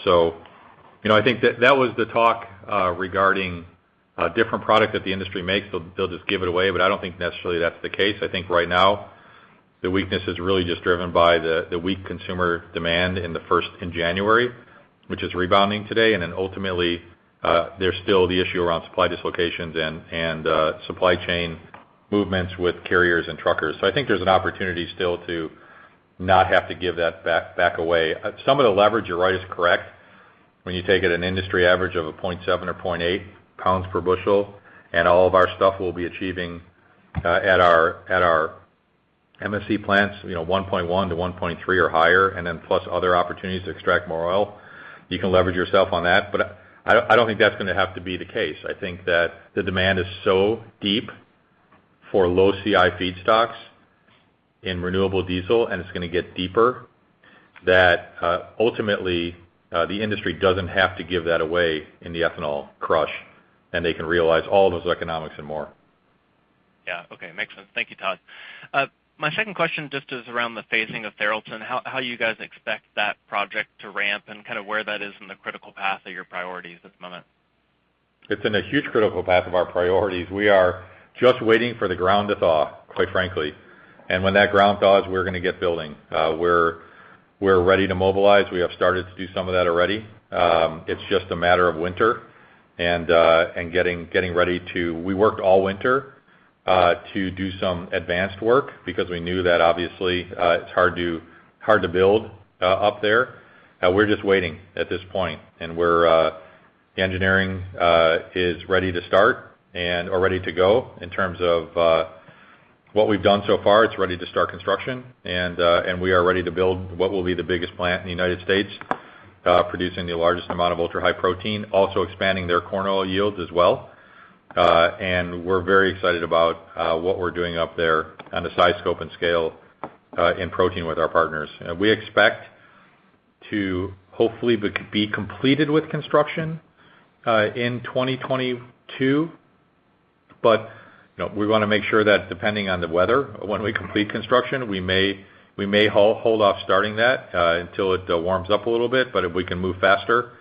You know, I think that that was the talk regarding a different product that the industry makes. They'll just give it away, I don't think necessarily that's the case. I think right now, the weakness is really just driven by the weak consumer demand in January, which is rebounding today. Ultimately, there's still the issue around supply dislocations and supply chain movements with carriers and truckers. I think there's an opportunity still to not have to give that back away. Some of the leverage you're right is correct. When you take an industry average of 0.7 or 0.8 pounds per bushel, and all of our stuff will be achieving at our MSC plants, you know, 1.1-1.3 or higher, and then plus other opportunities to extract more oil, you can leverage yourself on that. I don't think that's gonna have to be the case. I think that the demand is so deep for low CI feedstocks in renewable diesel, and it's gonna get deeper, that ultimately the industry doesn't have to give that away in the ethanol crush, and they can realize all those economics and more. Yeah. Okay. Makes sense. Thank you, Todd. My second question just is around the phasing of Tharaldson. How you guys expect that project to ramp and kind of where that is in the critical path of your priorities this moment? It's in a huge critical path of our priorities. We are just waiting for the ground to thaw, quite frankly. When that ground thaws, we're gonna get building. We're ready to mobilize. We have started to do some of that already. It's just a matter of winter. We worked all winter to do some advanced work because we knew that obviously it's hard to build up there. We're just waiting at this point, and the engineering is ready to start and are ready to go in terms of what we've done so far. It's ready to start construction. We are ready to build what will be the biggest plant in the United States, producing the largest amount of Ultra-High Protein, also expanding their corn oil yields as well. We're very excited about what we're doing up there on the size, scope, and scale, in protein with our partners. We expect to hopefully be completed with construction in 2022. You know, we wanna make sure that depending on the weather, when we complete construction, we may hold off starting that until it warms up a little bit. If we can move faster,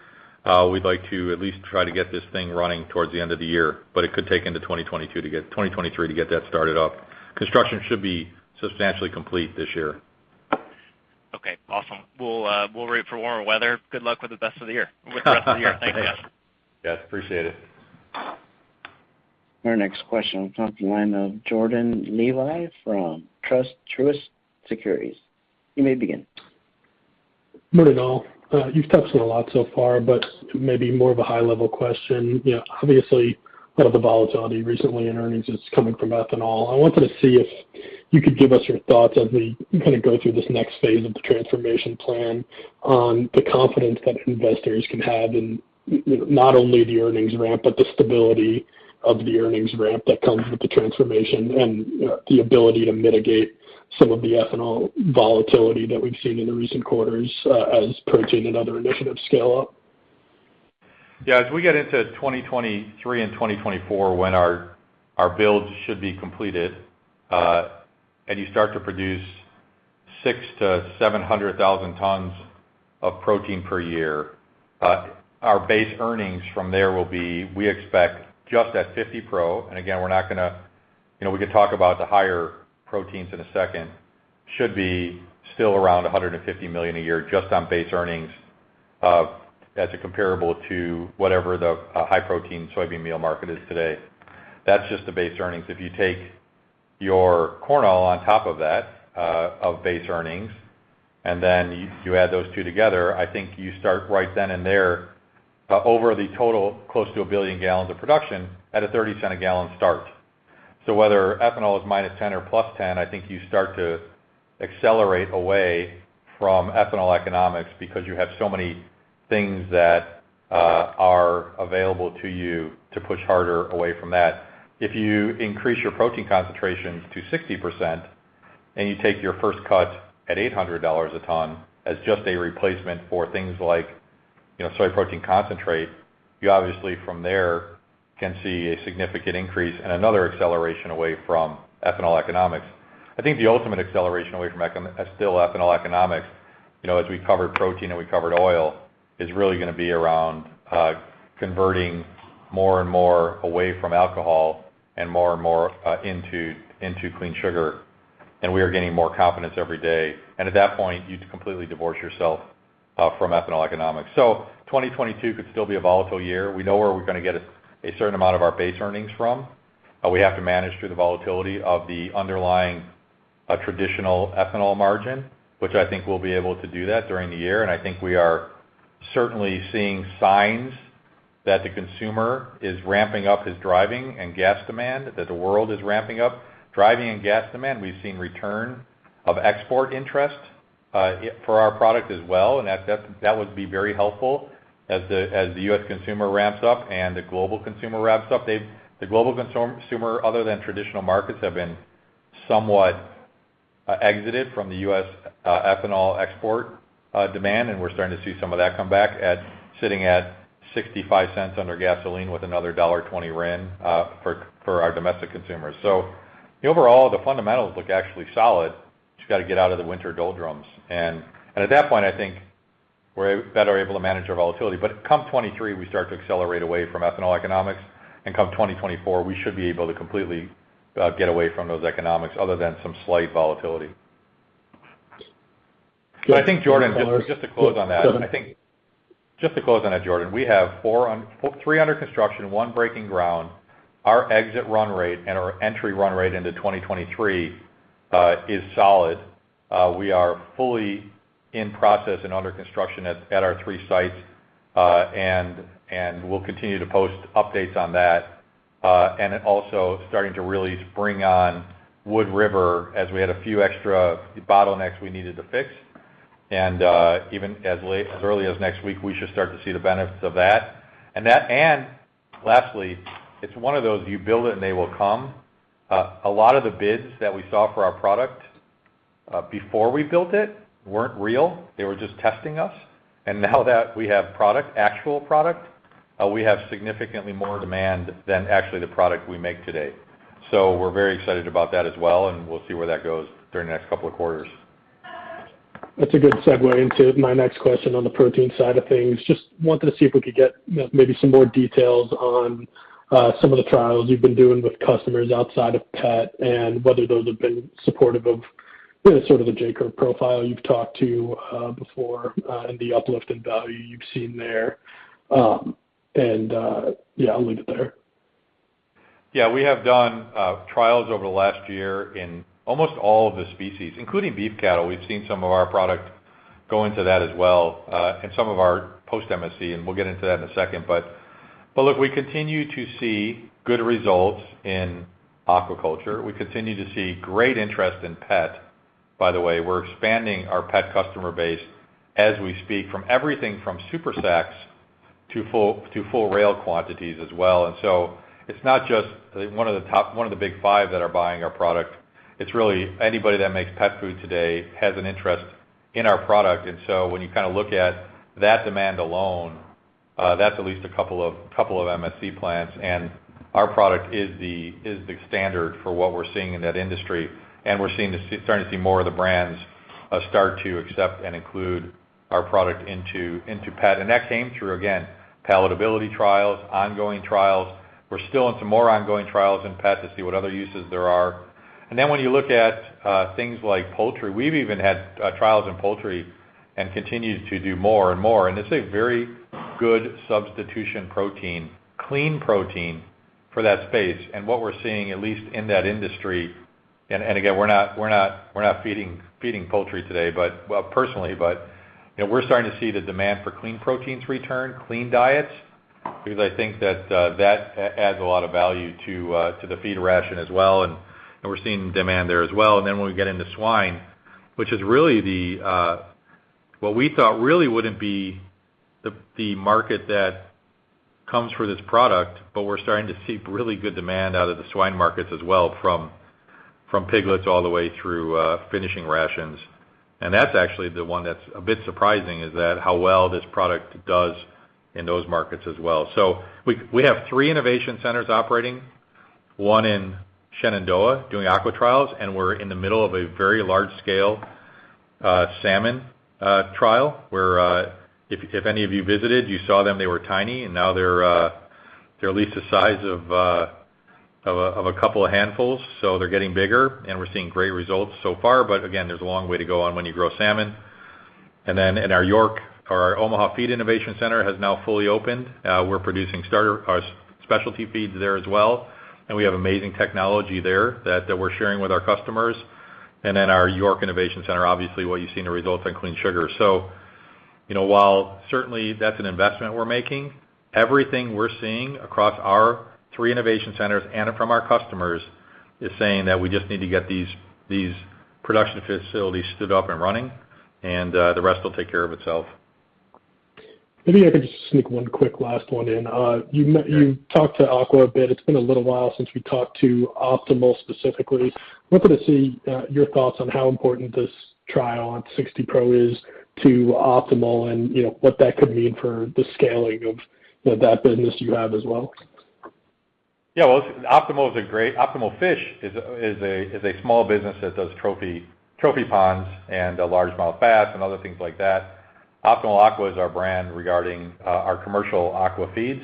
we'd like to at least try to get this thing running towards the end of the year, but it could take into 2022 to 2023 to get that started up. Construction should be substantially complete this year. Okay. Awesome. We'll root for warmer weather. Good luck with the rest of the year. Thanks, guys. Yes. Appreciate it. Our next question comes from the line of Jordan Levy from Truist Securities. You may begin. Morning, all. You've touched on a lot so far, but maybe more of a high level question. You know, obviously, a lot of the volatility recently in earnings is coming from ethanol. I wanted to see if you could give us your thoughts as we kinda go through this next phase of the transformation plan on the confidence that investors can have in, You know, not only the earnings ramp, but the stability of the earnings ramp that comes with the transformation and, the ability to mitigate some of the ethanol volatility that we've seen in the recent quarters, as protein and other initiatives scale up. Yeah, as we get into 2023 and 2024 when our builds should be completed, and you start to produce 600,000-700,000 tons of protein per year, our base earnings from there will be. We expect just at 50 pro. Again, we're not gonna, you know, we could talk about the higher proteins in a second. It should be still around $150 million a year just on base earnings, as a comparable to whatever the high protein soybean meal market is today. That's just the base earnings. If you take your corn oil on top of that of base earnings, and then you add those two together, I think you start right then and there, over the total close to 1 billion gallons of production at a $0.30 a gallon start. Whether ethanol is -10 or +10, I think you start to accelerate away from ethanol economics because you have so many things that are available to you to push harder away from that. If you increase your protein concentrations to 60% and you take your first cut at $800 a ton as just a replacement for things like, you know, soy protein concentrate, you obviously from there can see a significant increase and another acceleration away from ethanol economics. I think the ultimate acceleration away from still ethanol economics, you know, as we covered protein and we covered oil, is really gonna be around converting more and more away from alcohol and more and more into clean sugar, and we are gaining more confidence every day. At that point, you'd completely divorce yourself from ethanol economics. 2022 could still be a volatile year. We know where we're gonna get a certain amount of our base earnings from, but we have to manage through the volatility of the underlying traditional ethanol margin, which I think we'll be able to do that during the year. I think we are certainly seeing signs that the consumer is ramping up his driving and gas demand, that the world is ramping up driving and gas demand. We've seen return of export interest for our product as well, and that would be very helpful as the U.S. consumer ramps up and the global consumer ramps up. The global consumer, other than traditional markets, have been somewhat exited from the U.S. ethanol export demand, and we're starting to see some of that come back. It's sitting at $0.65 under gasoline with another $1.20 RIN for our domestic consumers. Overall, the fundamentals look actually solid. Just gotta get out of the winter doldrums. At that point, I think we're better able to manage our volatility. Come 2023, we start to accelerate away from ethanol economics, and come 2024, we should be able to completely get away from those economics other than some slight volatility. I think, Jordan, just to close on that, we have three under construction, one breaking ground. Our exit run rate and our entry run rate into 2023 is solid. We are fully in process and under construction at our three sites. We'll continue to post updates on that. Also starting to really sprint on Wood River as we had a few extra bottlenecks we needed to fix. Even as early as next week, we should start to see the benefits of that. Lastly, it's one of those you build it and they will come. A lot of the bids that we saw for our product before we built it weren't real. They were just testing us. Now that we have product, actual product, we have significantly more demand than the actual product we make today. We're very excited about that as well, and we'll see where that goes during the next couple of quarters. That's a good segue into my next question on the protein side of things. Just wanted to see if we could get maybe some more details on some of the trials you've been doing with customers outside of pet and whether those have been supportive of sort of the J curve profile you've talked to before and the uplift in value you've seen there. I'll leave it there. Yeah, we have done trials over the last year in almost all of the species, including beef cattle. We've seen some of our product go into that as well, and some of our post MSC, and we'll get into that in a second. Look, we continue to see good results in aquaculture. We continue to see great interest in pet. By the way, we're expanding our pet customer base as we speak from everything from super sacks to full rail quantities as well. It's not just one of the big five that are buying our product. It's really anybody that makes pet food today has an interest in our product. When you kinda look at that demand alone, that's at least a couple of MSC plants. Our product is the standard for what we're seeing in that industry. We're starting to see more of the brands start to accept and include our product into pet. That came through, again, palatability trials, ongoing trials. We're still in some more ongoing trials in pet to see what other uses there are. When you look at things like poultry, we've even had trials in poultry and continue to do more and more. It's a very good substitution protein, clean protein for that space. What we're seeing at least in that industry, and again, we're not feeding poultry today, but, well, you know, we're starting to see the demand for clean proteins return, clean diets, because I think that adds a lot of value to the feed ration as well. We're seeing demand there as well. When we get into swine, which is really what we thought really wouldn't be the market that comes for this product, but we're starting to see really good demand out of the swine markets as well from piglets all the way through finishing rations. That's actually the one that's a bit surprising, how well this product does in those markets as well. We have three innovation centers operating, one in Shenandoah doing aqua trials, and we're in the middle of a very large scale salmon trial, where if any of you visited, you saw them, they were tiny, and now they're at least the size of a couple of handfuls. They're getting bigger, and we're seeing great results so far. Again, there's a long way to go on when you grow salmon. Our Omaha Feed Innovation Center has now fully opened. We're producing starter specialty feeds there as well, and we have amazing technology there that we're sharing with our customers. Our York Innovation Center, obviously, what you've seen the results on Clean Sugar. You know, while certainly that's an investment we're making, everything we're seeing across our three innovation centers and from our customers is saying that we just need to get these production facilities stood up and running, and the rest will take care of itself. Maybe I could just sneak one quick last one in. You met- Sure. You talked to Aquafeed a bit. It's been a little while since we talked to Optimal specifically. Looking to see your thoughts on how important this trial on 60 pro is to Optimal and, you know, what that could mean for the scaling of, you know, that business you have as well. Yeah. Well, Optimal Fish is a small business that does trophy ponds and a largemouth bass and other things like that. Optimal Aquafeed is our brand regarding our commercial aqua feeds.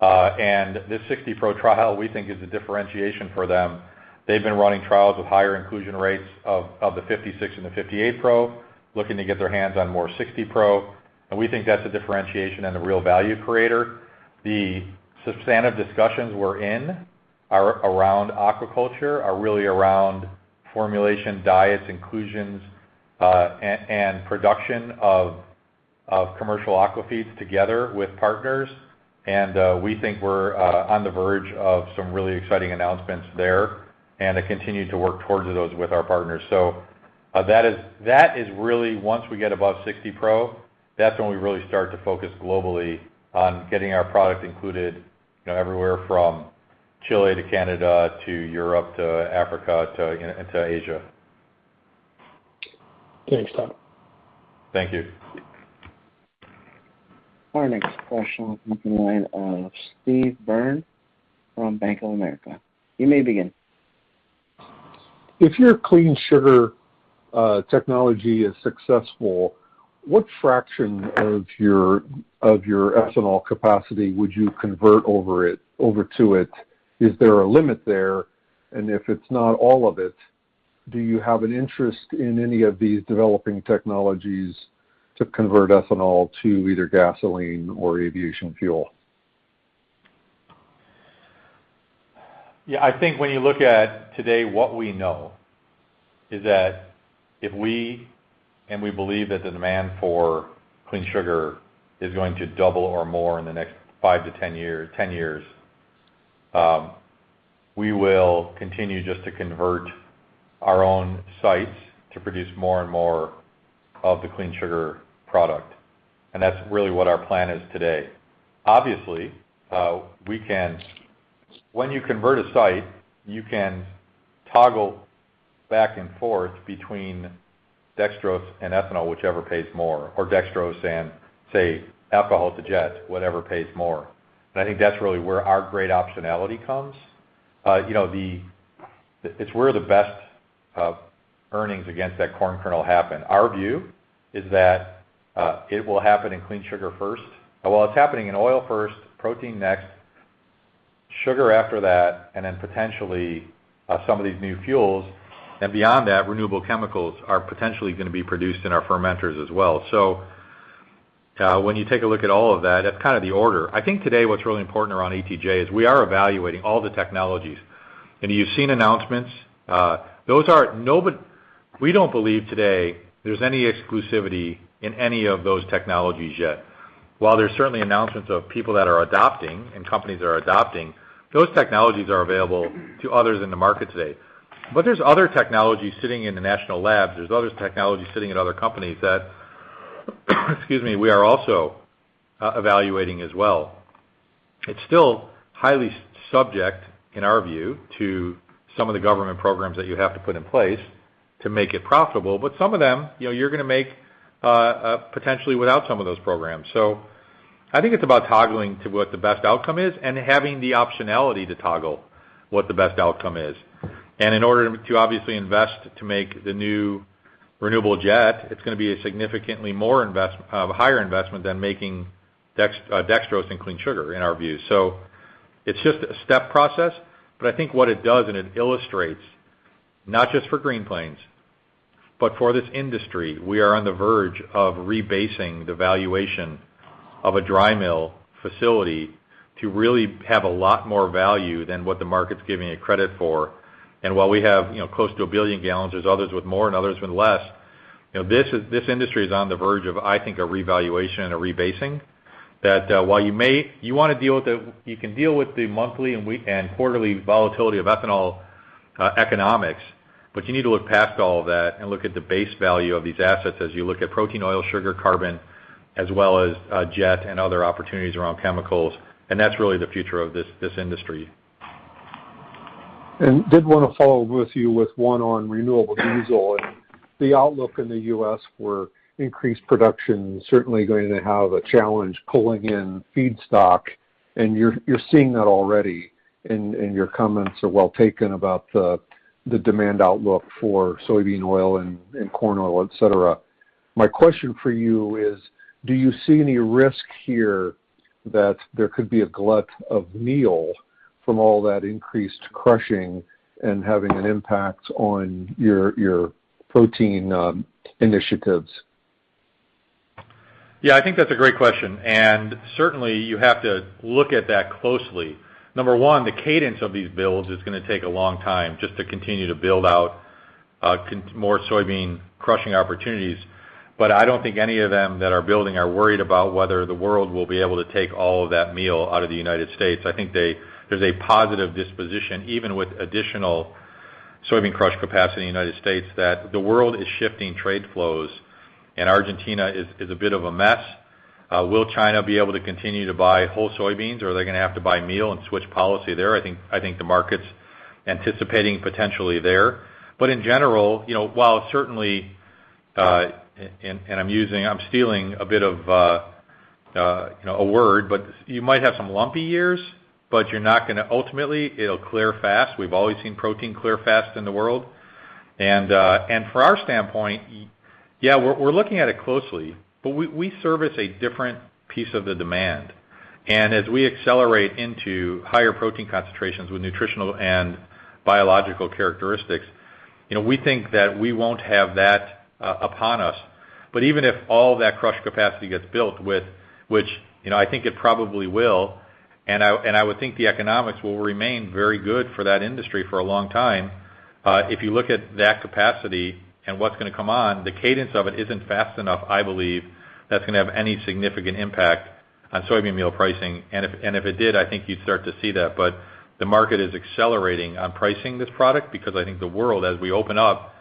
And this 60 Pro trial, we think is a differentiation for them. They've been running trials with higher inclusion rates of the 56 and the 58 Pro, looking to get their hands on more 60 Pro, and we think that's a differentiation and a real value creator. The substantive discussions we're in are around aquaculture, are really around formulation, diets, inclusions, and production of commercial aqua feeds together with partners. We think we're on the verge of some really exciting announcements there, and to continue to work towards those with our partners. That is really once we get above 60 pro, that's when we really start to focus globally on getting our product included, you know, everywhere from Chile to Canada to Europe to Africa and to Asia. Thanks, Todd. Thank you. Our next question will come from the line of Steve Byrne from Bank of America. You may begin. If your Clean Sugar technology is successful, what fraction of your ethanol capacity would you convert over to it? Is there a limit there? If it's not all of it, do you have an interest in any of these developing technologies to convert ethanol to either gasoline or aviation fuel? Yeah. I think when you look at today, what we know is that if we believe that the demand for Clean Sugar is going to double or more in the next 5-10 years, we will continue just to convert our own sites to produce more and more of the Clean Sugar product. That's really what our plan is today. Obviously, when you convert a site, you can toggle back and forth between dextrose and ethanol, whichever pays more, or dextrose and, say, alcohol to jet, whatever pays more. I think that's really where our great optionality comes. You know, it's where the best earnings against that corn kernel happen. Our view is that it will happen in Clean Sugar first. While it's happening in oil first, protein next, sugar after that, and then potentially, some of these new fuels, and beyond that, renewable chemicals are potentially gonna be produced in our fermenters as well. When you take a look at all of that's kind of the order. I think today what's really important around ATJ is we are evaluating all the technologies. You've seen announcements. We don't believe today there's any exclusivity in any of those technologies yet. While there's certainly announcements of people that are adopting and companies that are adopting, those technologies are available to others in the market today. There's other technologies sitting in the national labs. There's other technologies sitting at other companies that, excuse me, we are also evaluating as well. It's still highly subject, in our view, to some of the government programs that you have to put in place to make it profitable. Some of them, you know, you're gonna make, potentially without some of those programs. I think it's about toggling to what the best outcome is and having the optionality to toggle what the best outcome is. In order to obviously invest to make the new renewable jet, it's gonna be a significantly more higher investment than making dextrose and Clean Sugar, in our view. It's just a step process, but I think what it does, and it illustrates not just for Green Plains, but for this industry, we are on the verge of rebasing the valuation of a dry mill facility to really have a lot more value than what the market's giving it credit for. While we have, you know, close to 1 billion gallons, there's others with more and others with less. You know, this industry is on the verge of, I think, a revaluation and a rebasing, that while you can deal with the monthly and weekly and quarterly volatility of ethanol economics, but you need to look past all of that and look at the base value of these assets as you look at protein, oil, sugar, carbon, as well as jet and other opportunities around chemicals, and that's really the future of this industry. I did want to follow up with you on one on renewable diesel. The outlook in the U.S. for increased production certainly is going to have a challenge pulling in feedstock, and you're seeing that already, and your comments are well taken about the demand outlook for soybean oil and corn oil, et cetera. My question for you is, do you see any risk here that there could be a glut of meal from all that increased crushing and having an impact on your protein initiatives? Yeah. I think that's a great question, and certainly, you have to look at that closely. Number one, the cadence of these builds is gonna take a long time just to continue to build out more soybean crushing opportunities. I don't think any of them that are building are worried about whether the world will be able to take all of that meal out of the United States. I think there's a positive disposition, even with additional soybean crush capacity in the United States, that the world is shifting trade flows and Argentina is a bit of a mess. Will China be able to continue to buy whole soybeans, or are they gonna have to buy meal and switch policy there? I think the market's anticipating potentially there. In general, you know, while certainly, I'm stealing a bit of a word, but you might have some lumpy years, but you're not gonna. Ultimately, it'll clear fast. We've always seen protein clear fast in the world. From our standpoint, yeah, we're looking at it closely. We service a different piece of the demand. As we accelerate into higher protein concentrations with nutritional and biological characteristics, you know, we think that we won't have that upon us. Even if all that crush capacity gets built with which, you know, I think it probably will, and I would think the economics will remain very good for that industry for a long time, if you look at that capacity and what's gonna come on, the cadence of it isn't fast enough, I believe, that's gonna have any significant impact on soybean meal pricing. If it did, I think you'd start to see that. The market is accelerating on pricing this product because I think the world, as we open up,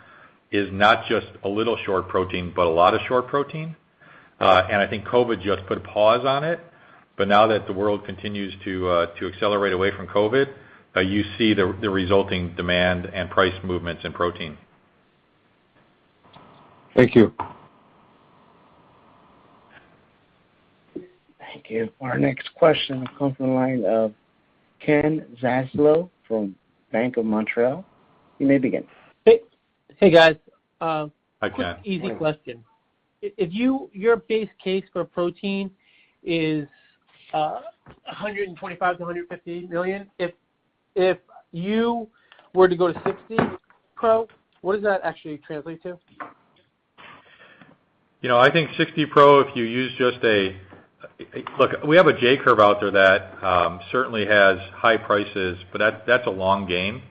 is not just a little short protein, but a lot of short protein. I think COVID just put a pause on it. Now that the world continues to accelerate away from COVID, you see the resulting demand and price movements in protein. Thank you. Thank you. Our next question comes from the line of Ken Zaslow from BMO Capital Markets. You may begin. Hey, guys. Hi, Ken. Quick easy question. If your base case for protein is $125 million-$150 million. If you were to go to 60%, what does that actually translate to? You know, I think 60 pro. Look, we have a J curve out there that certainly has high prices, but that's a long game.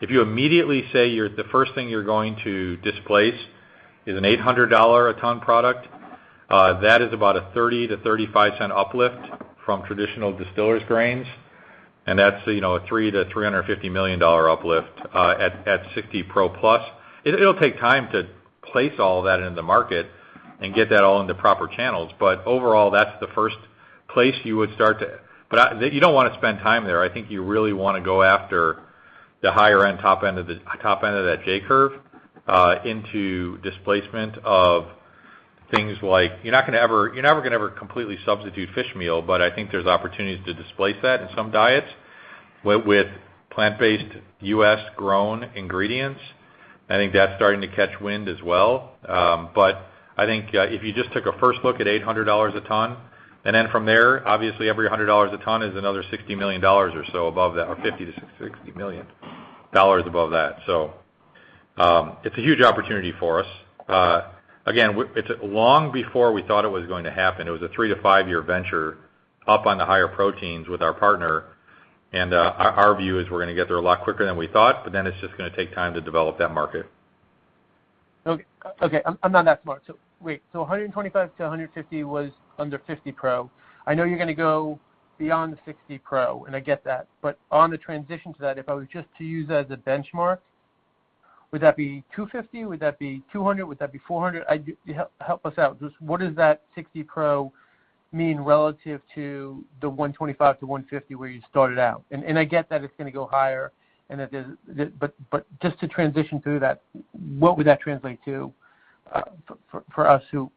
If you immediately say the first thing you're going to displace is an $800-a-ton product that is about a $0.30-$0.35 uplift from traditional distillers grains, and that's, you know, a $300-$350 million uplift at 60 pro plus. It'll take time to place all that into market and get that all in the proper channels, but overall, that's the first place you would start to. You don't wanna spend time there. I think you really wanna go after the higher end, top end of that J curve into displacement of things like. You're never gonna completely substitute fish meal, but I think there's opportunities to displace that in some diets with plant-based U.S. grown ingredients. I think that's starting to catch wind as well. But I think, if you just took a first look at $800 a ton, and then from there, obviously, every $100 a ton is another $60 million or so above that, or $50 million-$60 million above that. It's a huge opportunity for us. Again, it's long before we thought it was going to happen. It was a 3-5 year venture up on the higher proteins with our partner, and our view is we're gonna get there a lot quicker than we thought, but then it's just gonna take time to develop that market. Okay. I'm not that smart. Wait. $125-$150 was under 50 pro. I know you're gonna go beyond the 60 pro, and I get that. On the transition to that, if I was just to use that as a benchmark, would that be $250? Would that be $200? Would that be $400? Help us out. Just what does that 60 pro mean relative to the $125-$150 where you started out? I get that it's gonna go higher. Just to transition through that, what would that translate to for us who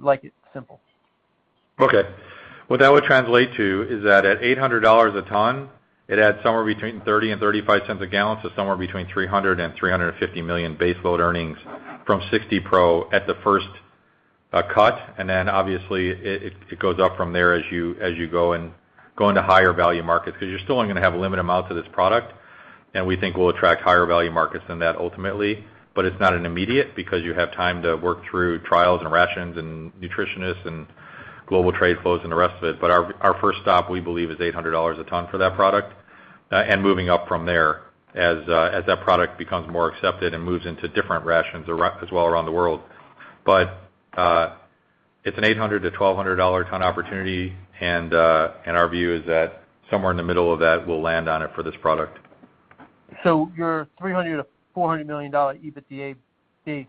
like it simple? Okay. What that would translate to is that at $800 a ton, it adds somewhere between $0.30 and $0.35 a gallon, so somewhere between $300 million and $350 million base load earnings from 60 pro at the first cut. Obviously, it goes up from there as you go into higher value markets 'cause you're still only gonna have a limited amount of this product. We think we'll attract higher value markets than that ultimately, but it's not immediate because you have time to work through trials and rations and nutritionists and global trade flows and the rest of it. Our first stop, we believe, is $800 a ton for that product, and moving up from there as that product becomes more accepted and moves into different rations as well around the world. It's an $800-$1,200 dollar ton opportunity, and our view is that somewhere in the middle of that we'll land on it for this product. Your $300 million-$400 million EBITDA base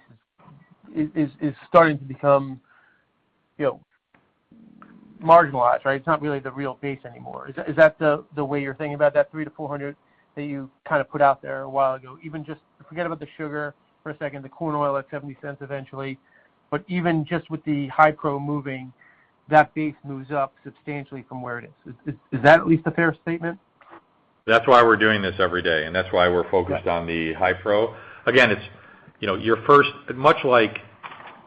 is starting to become, you know, marginalized, right? It's not really the real base anymore. Is that the way you're thinking about that $300-$400 that you kind of put out there a while ago? Even just forget about the sugar for a second, the corn oil at $0.70 eventually. Even just with the Hypro moving, that base moves up substantially from where it is. Is that at least a fair statement? That's why we're doing this every day, and that's why we're focused on the high pro. Again, it's much like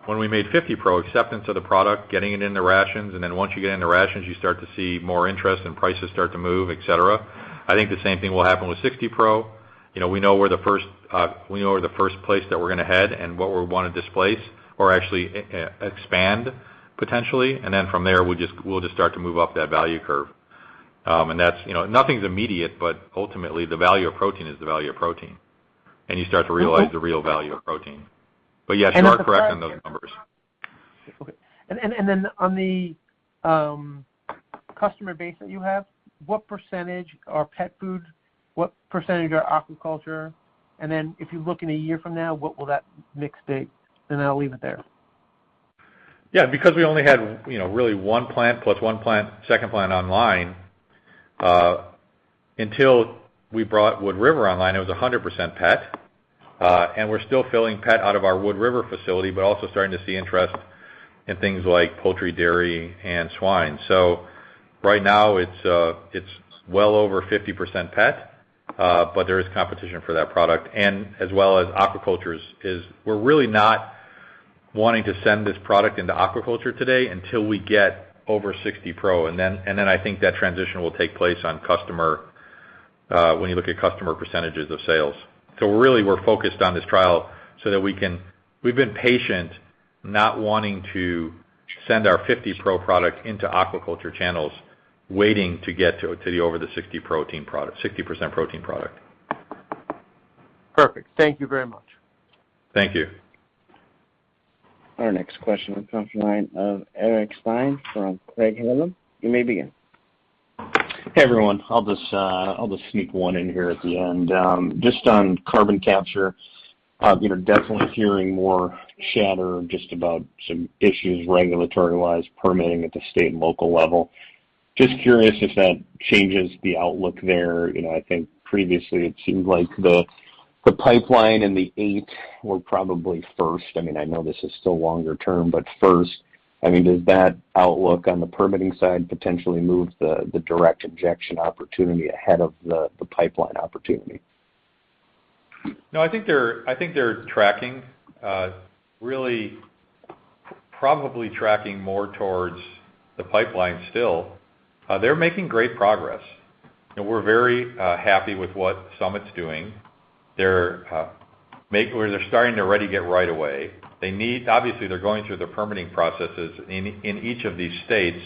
when we made 50 Pro acceptance of the product, getting it into rations, and then once you get into rations, you start to see more interest and prices start to move, et cetera. I think the same thing will happen with 60 Pro. We know we're the first place that we're gonna head and what we want to displace or actually expand potentially. Then from there, we'll just start to move up that value curve. That's, you know, nothing's immediate, but ultimately the value of protein is the value of protein, and you start to realize the real value of protein. Yes, you are correct on those numbers. Okay. Then on the customer base that you have, what percentage are pet food? What percentage are aquaculture? Then if you look in a year from now, what will that mix be? I'll leave it there. Yeah, because we only had, you know, really 1 plant plus 1 plant, second plant online, until we brought Wood River online, it was 100% pet. We're still filling pet out of our Wood River facility, but also starting to see interest in things like poultry, dairy, and swine. Right now it's well over 50% pet, but there is competition for that product. As well as aquaculture is we're really not wanting to send this product into aquaculture today until we get over 60 Pro. Then I think that transition will take place on customer when you look at customer percentages of sales. Really we're focused on this trial so that we can...We've been patient not wanting to send our 50 Pro product into aquaculture channels, waiting to get to the over 60 protein product, 60% protein product. Perfect. Thank you very much. Thank you. Our next question comes from the line of Eric Stine from Craig-Hallum. You may begin. Hey, everyone. I'll just sneak one in here at the end. Just on carbon capture, you know, definitely hearing more chatter just about some issues regulatory-wise permitting at the state and local level. Just curious if that changes the outlook there. You know, I think previously it seemed like the pipeline and the 8 were probably first. I mean, I know this is still longer term, but first. I mean, does that outlook on the permitting side potentially move the direct injection opportunity ahead of the pipeline opportunity? No, I think they're tracking really probably more towards the pipeline still. They're making great progress, and we're very happy with what Summit's doing. They're starting to already get right away. Obviously, they're going through the permitting processes in each of these states,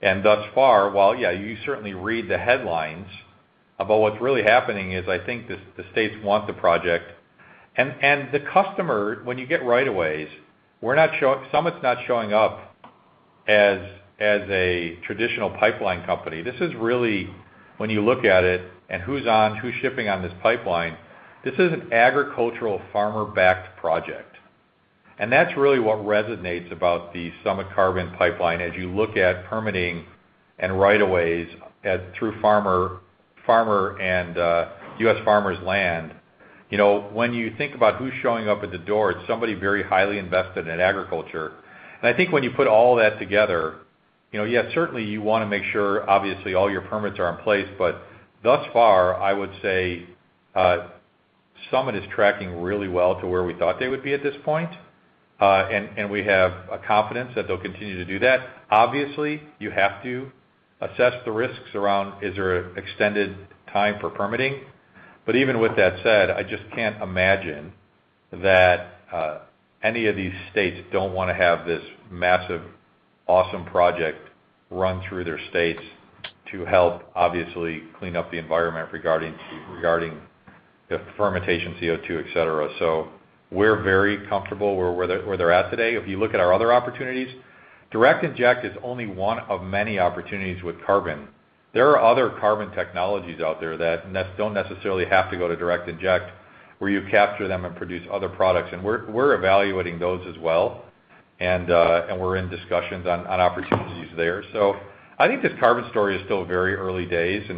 and thus far, yeah, you certainly read the headlines, about what's really happening is I think the states want the project. The customers, when you get rights-of-way, Summit's not showing up as a traditional pipeline company. This is really, when you look at it and who's on, who's shipping on this pipeline, this is an agricultural farmer-backed project. That's really what resonates about the Summit Carbon Pipeline. As you look at permitting and right-of-ways through farmland and U.S. farmers' land, you know, when you think about who's showing up at the door, it's somebody very highly invested in agriculture. I think when you put all that together, you know, yeah, certainly you wanna make sure obviously all your permits are in place. Thus far, I would say, Summit is tracking really well to where we thought they would be at this point. And we have confidence that they'll continue to do that. Obviously, you have to assess the risks around, is there extended time for permitting. Even with that said, I just can't imagine that any of these states don't want to have this massive awesome project run through their states to help obviously clean up the environment regarding the fermentation CO2, et cetera. We're very comfortable where they're at today. If you look at our other opportunities, direct inject is only one of many opportunities with carbon. There are other carbon technologies out there that don't necessarily have to go to direct inject, where you capture them and produce other products. We're evaluating those as well, and we're in discussions on opportunities there. I think this carbon story is still very early days,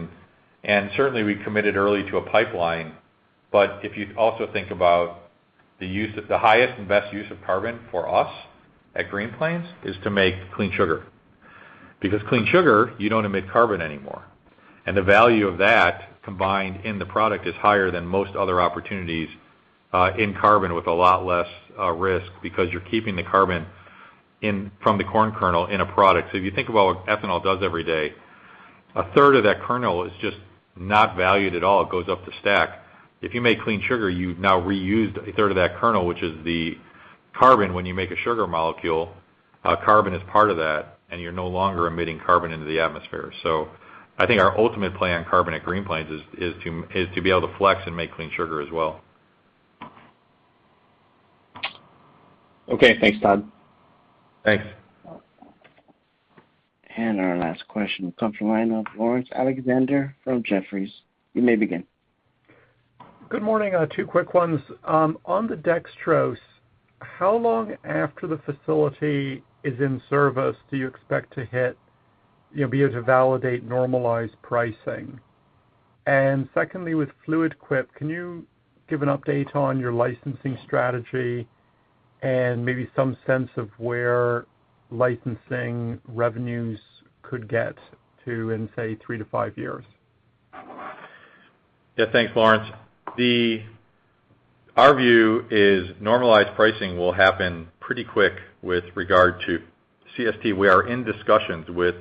and certainly we committed early to a pipeline. If you also think about the highest and best use of carbon for us at Green Plains is to make clean sugar. Because clean sugar, you don't emit carbon anymore. The value of that combined in the product is higher than most other opportunities in carbon with a lot less risk because you're keeping the carbon in from the corn kernel in a product. If you think about what ethanol does every day, a third of that kernel is just not valued at all, it goes up the stack. If you make clean sugar, you've now reused a third of that kernel, which is the carbon when you make a sugar molecule, carbon is part of that, and you're no longer emitting carbon into the atmosphere. I think our ultimate plan for carbon at Green Plains is to be able to flex and make Clean Sugar as well. Okay. Thanks, Todd. Thanks. Our last question comes from line of Laurence Alexander from Jefferies. You may begin. Good morning. 2 quick ones. On the dextrose, how long after the facility is in service do you expect to hit, you know, be able to validate normalized pricing? Secondly, with Fluid Quip, can you give an update on your licensing strategy and maybe some sense of where licensing revenues could get to in, say, 3-5 years? Yeah. Thanks, Laurence. Our view is normalized pricing will happen pretty quick with regard to CST. We are in discussions with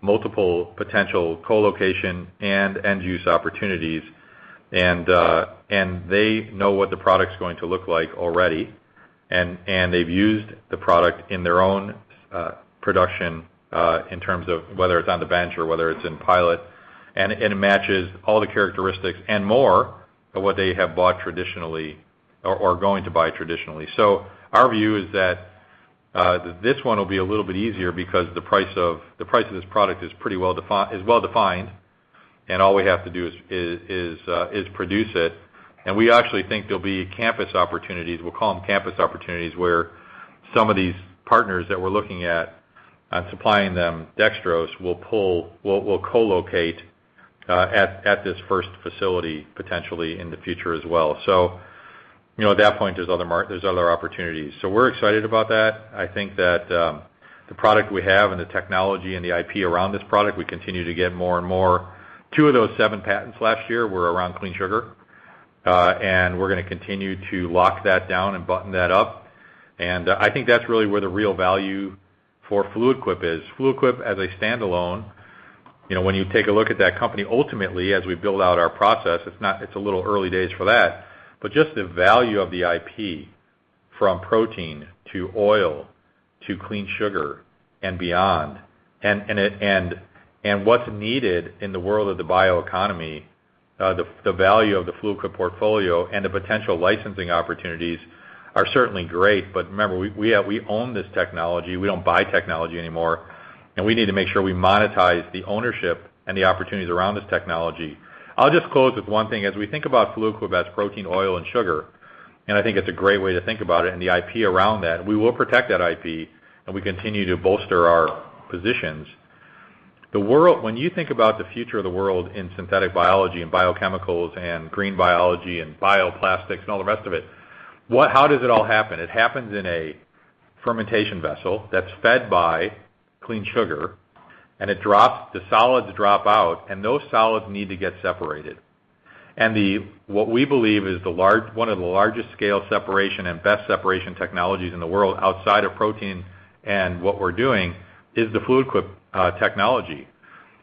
multiple potential co-location and end-use opportunities, and they know what the product's going to look like already. They've used the product in their own production, in terms of whether it's on the bench or whether it's in pilot. It matches all the characteristics and more of what they have bought traditionally or going to buy traditionally. Our view is that this one will be a little bit easier because the price of this product is pretty well defined, and all we have to do is produce it. We actually think there'll be campus opportunities. We'll call them campus opportunities, where some of these partners that we're looking at on supplying them dextrose will co-locate at this first facility potentially in the future as well. You know, at that point, there's other opportunities. We're excited about that. I think that the product we have and the technology and the IP around this product, we continue to get more and more. Two of those seven patents last year were around Clean Sugar, and we're gonna continue to lock that down and button that up. I think that's really where the real value for Fluid Quip is. Fluid Quip Technologies as a standalone, you know, when you take a look at that company, ultimately, as we build out our process, it's a little early days for that, but just the value of the IP from protein to oil to clean sugar and beyond, and what's needed in the world of the bioeconomy, the value of the Fluid Quip Technologies portfolio and the potential licensing opportunities are certainly great. But remember, we own this technology. We don't buy technology anymore, and we need to make sure we monetize the ownership and the opportunities around this technology. I'll just close with one thing. As we think about Fluid Quip as protein, oil, and sugar, and I think it's a great way to think about it and the IP around that, we will protect that IP, and we continue to bolster our positions. When you think about the future of the world in synthetic biology and biochemicals and green biology and bioplastics and all the rest of it, how does it all happen? It happens in a fermentation vessel that's fed by clean sugar, and it drops, the solids drop out, and those solids need to get separated. What we believe is one of the largest scale separation and best separation technologies in the world outside of protein and what we're doing is the Fluid Quip technology.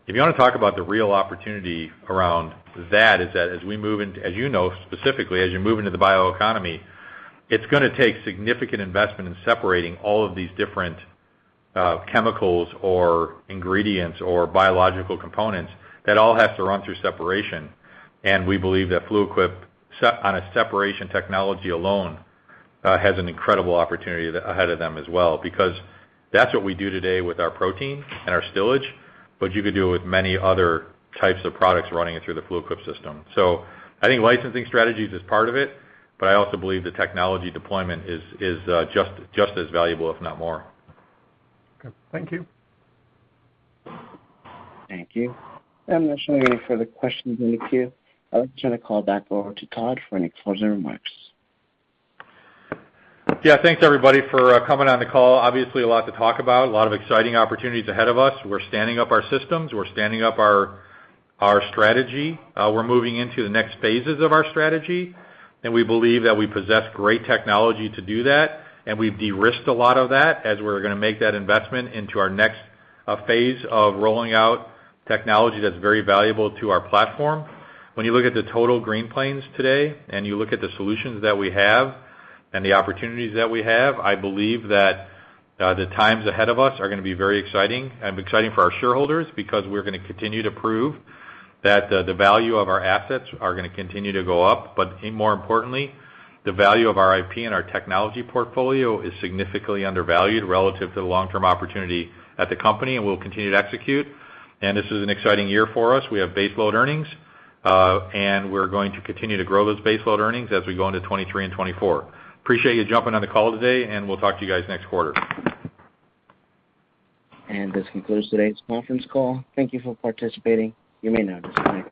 If you wanna talk about the real opportunity around that is that as we move into, as you know specifically, as you move into the bioeconomy, it's gonna take significant investment in separating all of these different chemicals or ingredients or biological components that all have to run through separation. We believe that Fluid Quip separation technology alone has an incredible opportunity ahead of them as well, because that's what we do today with our protein and our stillage, but you could do it with many other types of products running it through the Fluid Quip system. I think licensing strategies is part of it, but I also believe the technology deployment is just as valuable, if not more. Okay. Thank you. Thank you. I'm not showing any further questions in the queue. I would turn the call back over to Todd for any closing remarks. Yeah. Thanks everybody for coming on the call. Obviously a lot to talk about, a lot of exciting opportunities ahead of us. We're standing up our systems. We're standing up our strategy. We're moving into the next phases of our strategy, and we believe that we possess great technology to do that, and we've de-risked a lot of that as we're gonna make that investment into our next phase of rolling out technology that's very valuable to our platform. When you look at the total Green Plains today, and you look at the solutions that we have and the opportunities that we have, I believe that the times ahead of us are gonna be very exciting for our shareholders because we're gonna continue to prove that the value of our assets are gonna continue to go up. More importantly, the value of our IP and our technology portfolio is significantly undervalued relative to the long-term opportunity at the company, and we'll continue to execute. This is an exciting year for us. We have baseload earnings, and we're going to continue to grow those baseload earnings as we go into 2023 and 2024. Appreciate you jumping on the call today, and we'll talk to you guys next quarter. This concludes today's conference call. Thank you for participating. You may now disconnect.